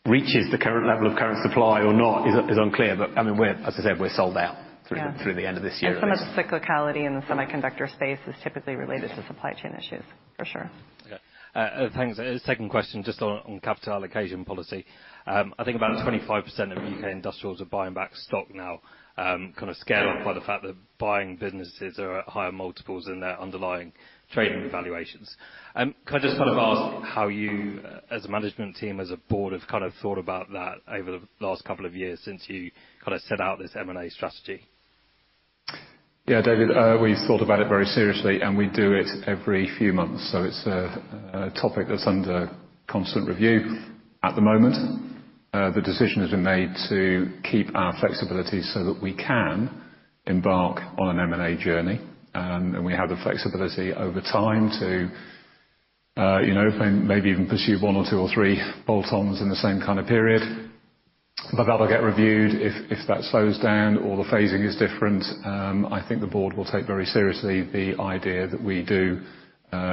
reaches the current level of current supply or not is unclear. But I mean, as I said, we're sold out through the end of this year. And some of the cyclicality in the semiconductor space is typically related to supply chain issues, for sure. Okay. Thanks. Second question, just on capital allocation policy. I think about 25% of U.K. industrials are buying back stock now, kind of scared off by the fact that buying businesses are at higher multiples than their underlying trading valuations. Can I just kind of ask how you, as a management team, as a board, have kind of thought about that over the last couple of years since you kind of set out this M&A strategy? Yeah, David. We've thought about it very seriously, and we do it every few months. So it's a topic that's under constant review at the moment. The decision has been made to keep our flexibility so that we can embark on an M&A journey, and we have the flexibility over time to maybe even pursue one or two or three bolt-ons in the same kind of period. But that'll get reviewed if that slows down or the phasing is different. I think the board will take very seriously the idea that we do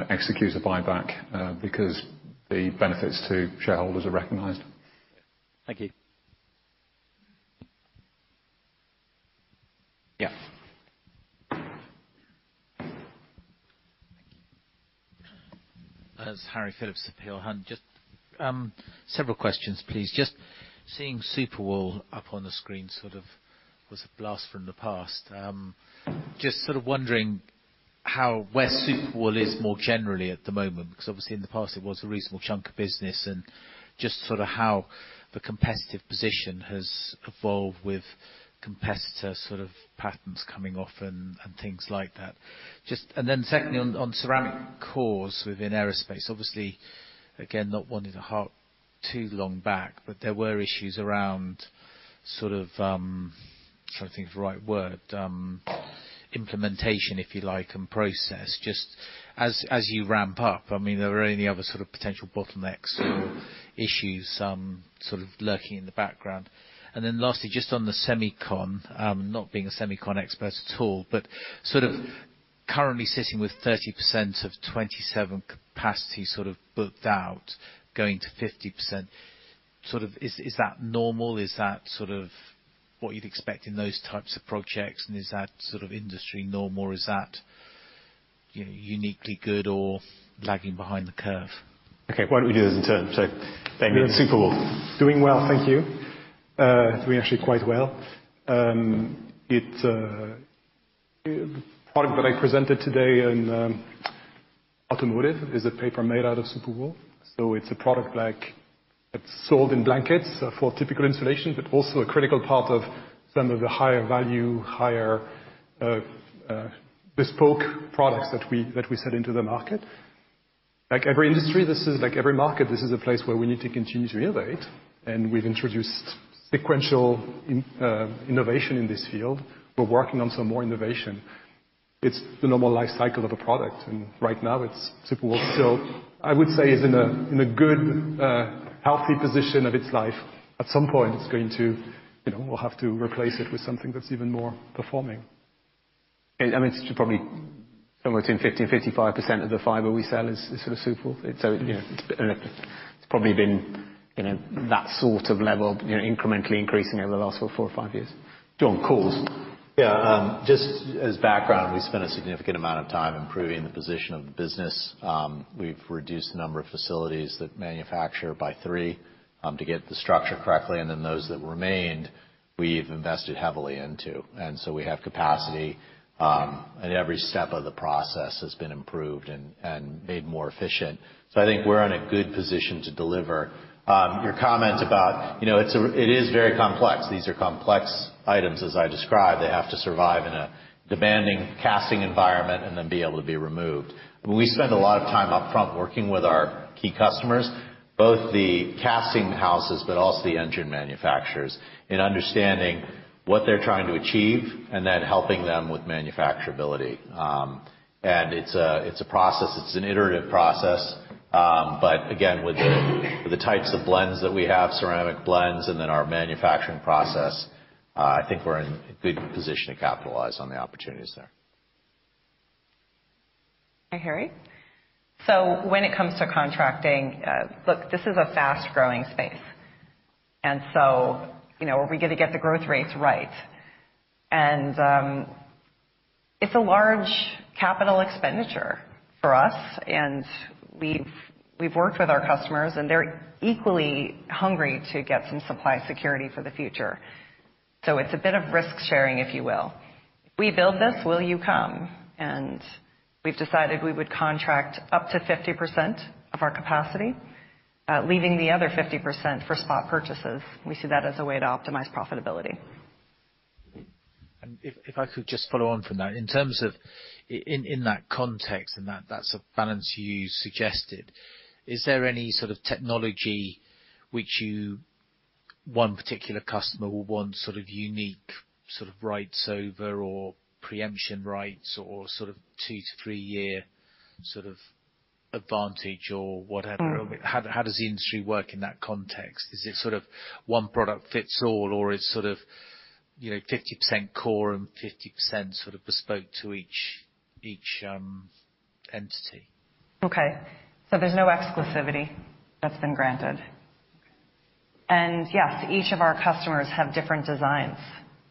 execute a buyback because the benefits to shareholders are recognised. Thank you. Yeah. Thank you. That's Harry Philips of Peel Hunt. Several questions, please. Just seeing Superwool up on the screen sort of was a blast from the past. Just sort of wondering where Superwool is more generally at the moment because obviously, in the past, it was a reasonable chunk of business and just sort of how the competitive position has evolved with competitor sort of patents coming off and things like that. And then secondly, on ceramic cores within aerospace, obviously, again, not one too long back, but there were issues around sort of I'm trying to think of the right word, implementation, if you like, and process. Just as you ramp up, I mean, are there any other sort of potential bottlenecks or issues sort of lurking in the background? And then lastly, just on the semicon, not being a semicon expert at all, but sort of currently sitting with 30% of 27 capacity sort of booked out, going to 50%, sort of is that normal? Is that sort of what you'd expect in those types of projects, and is that sort of industry normal? Is that uniquely good or lagging behind the curve? Okay. Why don't we do this in turn? So Damien, Superwool. Doing well. Thank you. Doing actually quite well. The product that I presented today in automotive is a paper made out of Superwool. So it's a product that's sold in blankets for typical insulation, but also a critical part of some of the higher-value, higher-bespoke products that we set into the market. Like every industry, this is like every market, this is a place where we need to continue to innovate. And we've introduced sequential innovation in this field. We're working on some more innovation. It's the normal life cycle of a product. And right now, it's Superwool still, I would say, is in a good, healthy position of its life. At some point, it's going to we'll have to replace it with something that's even more performing. And I mean, it's probably somewhere between 50%-55% of the fibre we sell is sort of Superwool. So it's probably been that sort of level, incrementally increasing over the last four or five years. John, calls. Yeah. Just as background, we spent a significant amount of time improving the position of the business. We've reduced the number of facilities that manufacture by three to get the structure correctly. Then those that remain, we've invested heavily into. We have capacity, and every step of the process has been improved and made more efficient. I think we're in a good position to deliver. Your comment about it is very complex. These are complex items, as I describe. They have to survive in a demanding casting environment and then be able to be removed. We spend a lot of time upfront working with our key customers, both the casting houses but also the engine manufacturers, in understanding what they're trying to achieve and then helping them with manufacturability. It's a process. It's an iterative process. But again, with the types of blends that we have, ceramic blends, and then our manufacturing process, I think we're in good position to capitalize on the opportunities there. Hi, Harry. So when it comes to contracting, look, this is a fast-growing space. And so are we going to get the growth rates right? And it's a large capital expenditure for us, and we've worked with our customers, and they're equally hungry to get some supply security for the future. So it's a bit of risk-sharing, if you will. If we build this, will you come? And we've decided we would contract up to 50% of our capacity, leaving the other 50% for spot purchases. We see that as a way to optimize profitability. If I could just follow on from that, in terms of in that context, and that's a balance you suggested, is there any sort of technology which you one particular customer will want sort of unique sort of rights over or preemption rights or sort of two to three year sort of advantage or whatever? How does the industry work in that context? Is it sort of one product fits all, or it's sort of 50% core and 50% sort of bespoke to each entity? Okay. So there's no exclusivity that's been granted. And yes, each of our customers have different designs,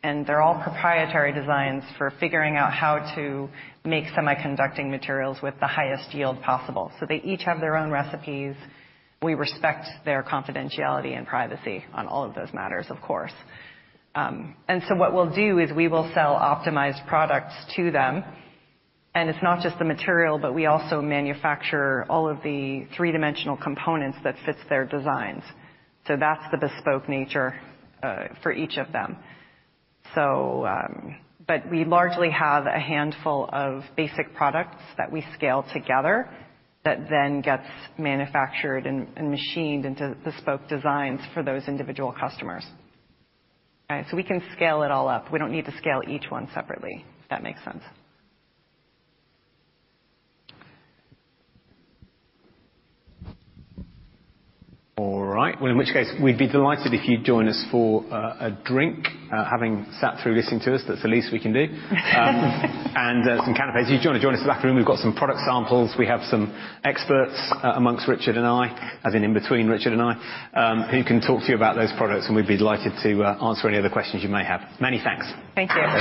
and they're all proprietary designs for figuring out how to make semiconducting materials with the highest yield possible. So they each have their own recipes. We respect their confidentiality and privacy on all of those matters, of course. And so what we'll do is we will sell optimized products to them, and it's not just the material, but we also manufacture all of the three-dimensional components that fits their designs. So that's the bespoke nature for each of them. But we largely have a handful of basic products that we scale together that then gets manufactured and machined into bespoke designs for those individual customers. So we can scale it all up. We don't need to scale each one separately, if that makes sense. All right. Well, in which case, we'd be delighted if you'd join us for a drink, having sat through listening to us. That's the least we can do. And some canapés. If you'd join us, join us to the back room. We've got some product samples. We have some experts among Richard and I, as in between Richard and I, who can talk to you about those products, and we'd be delighted to answer any other questions you may have. Many thanks. Thank you.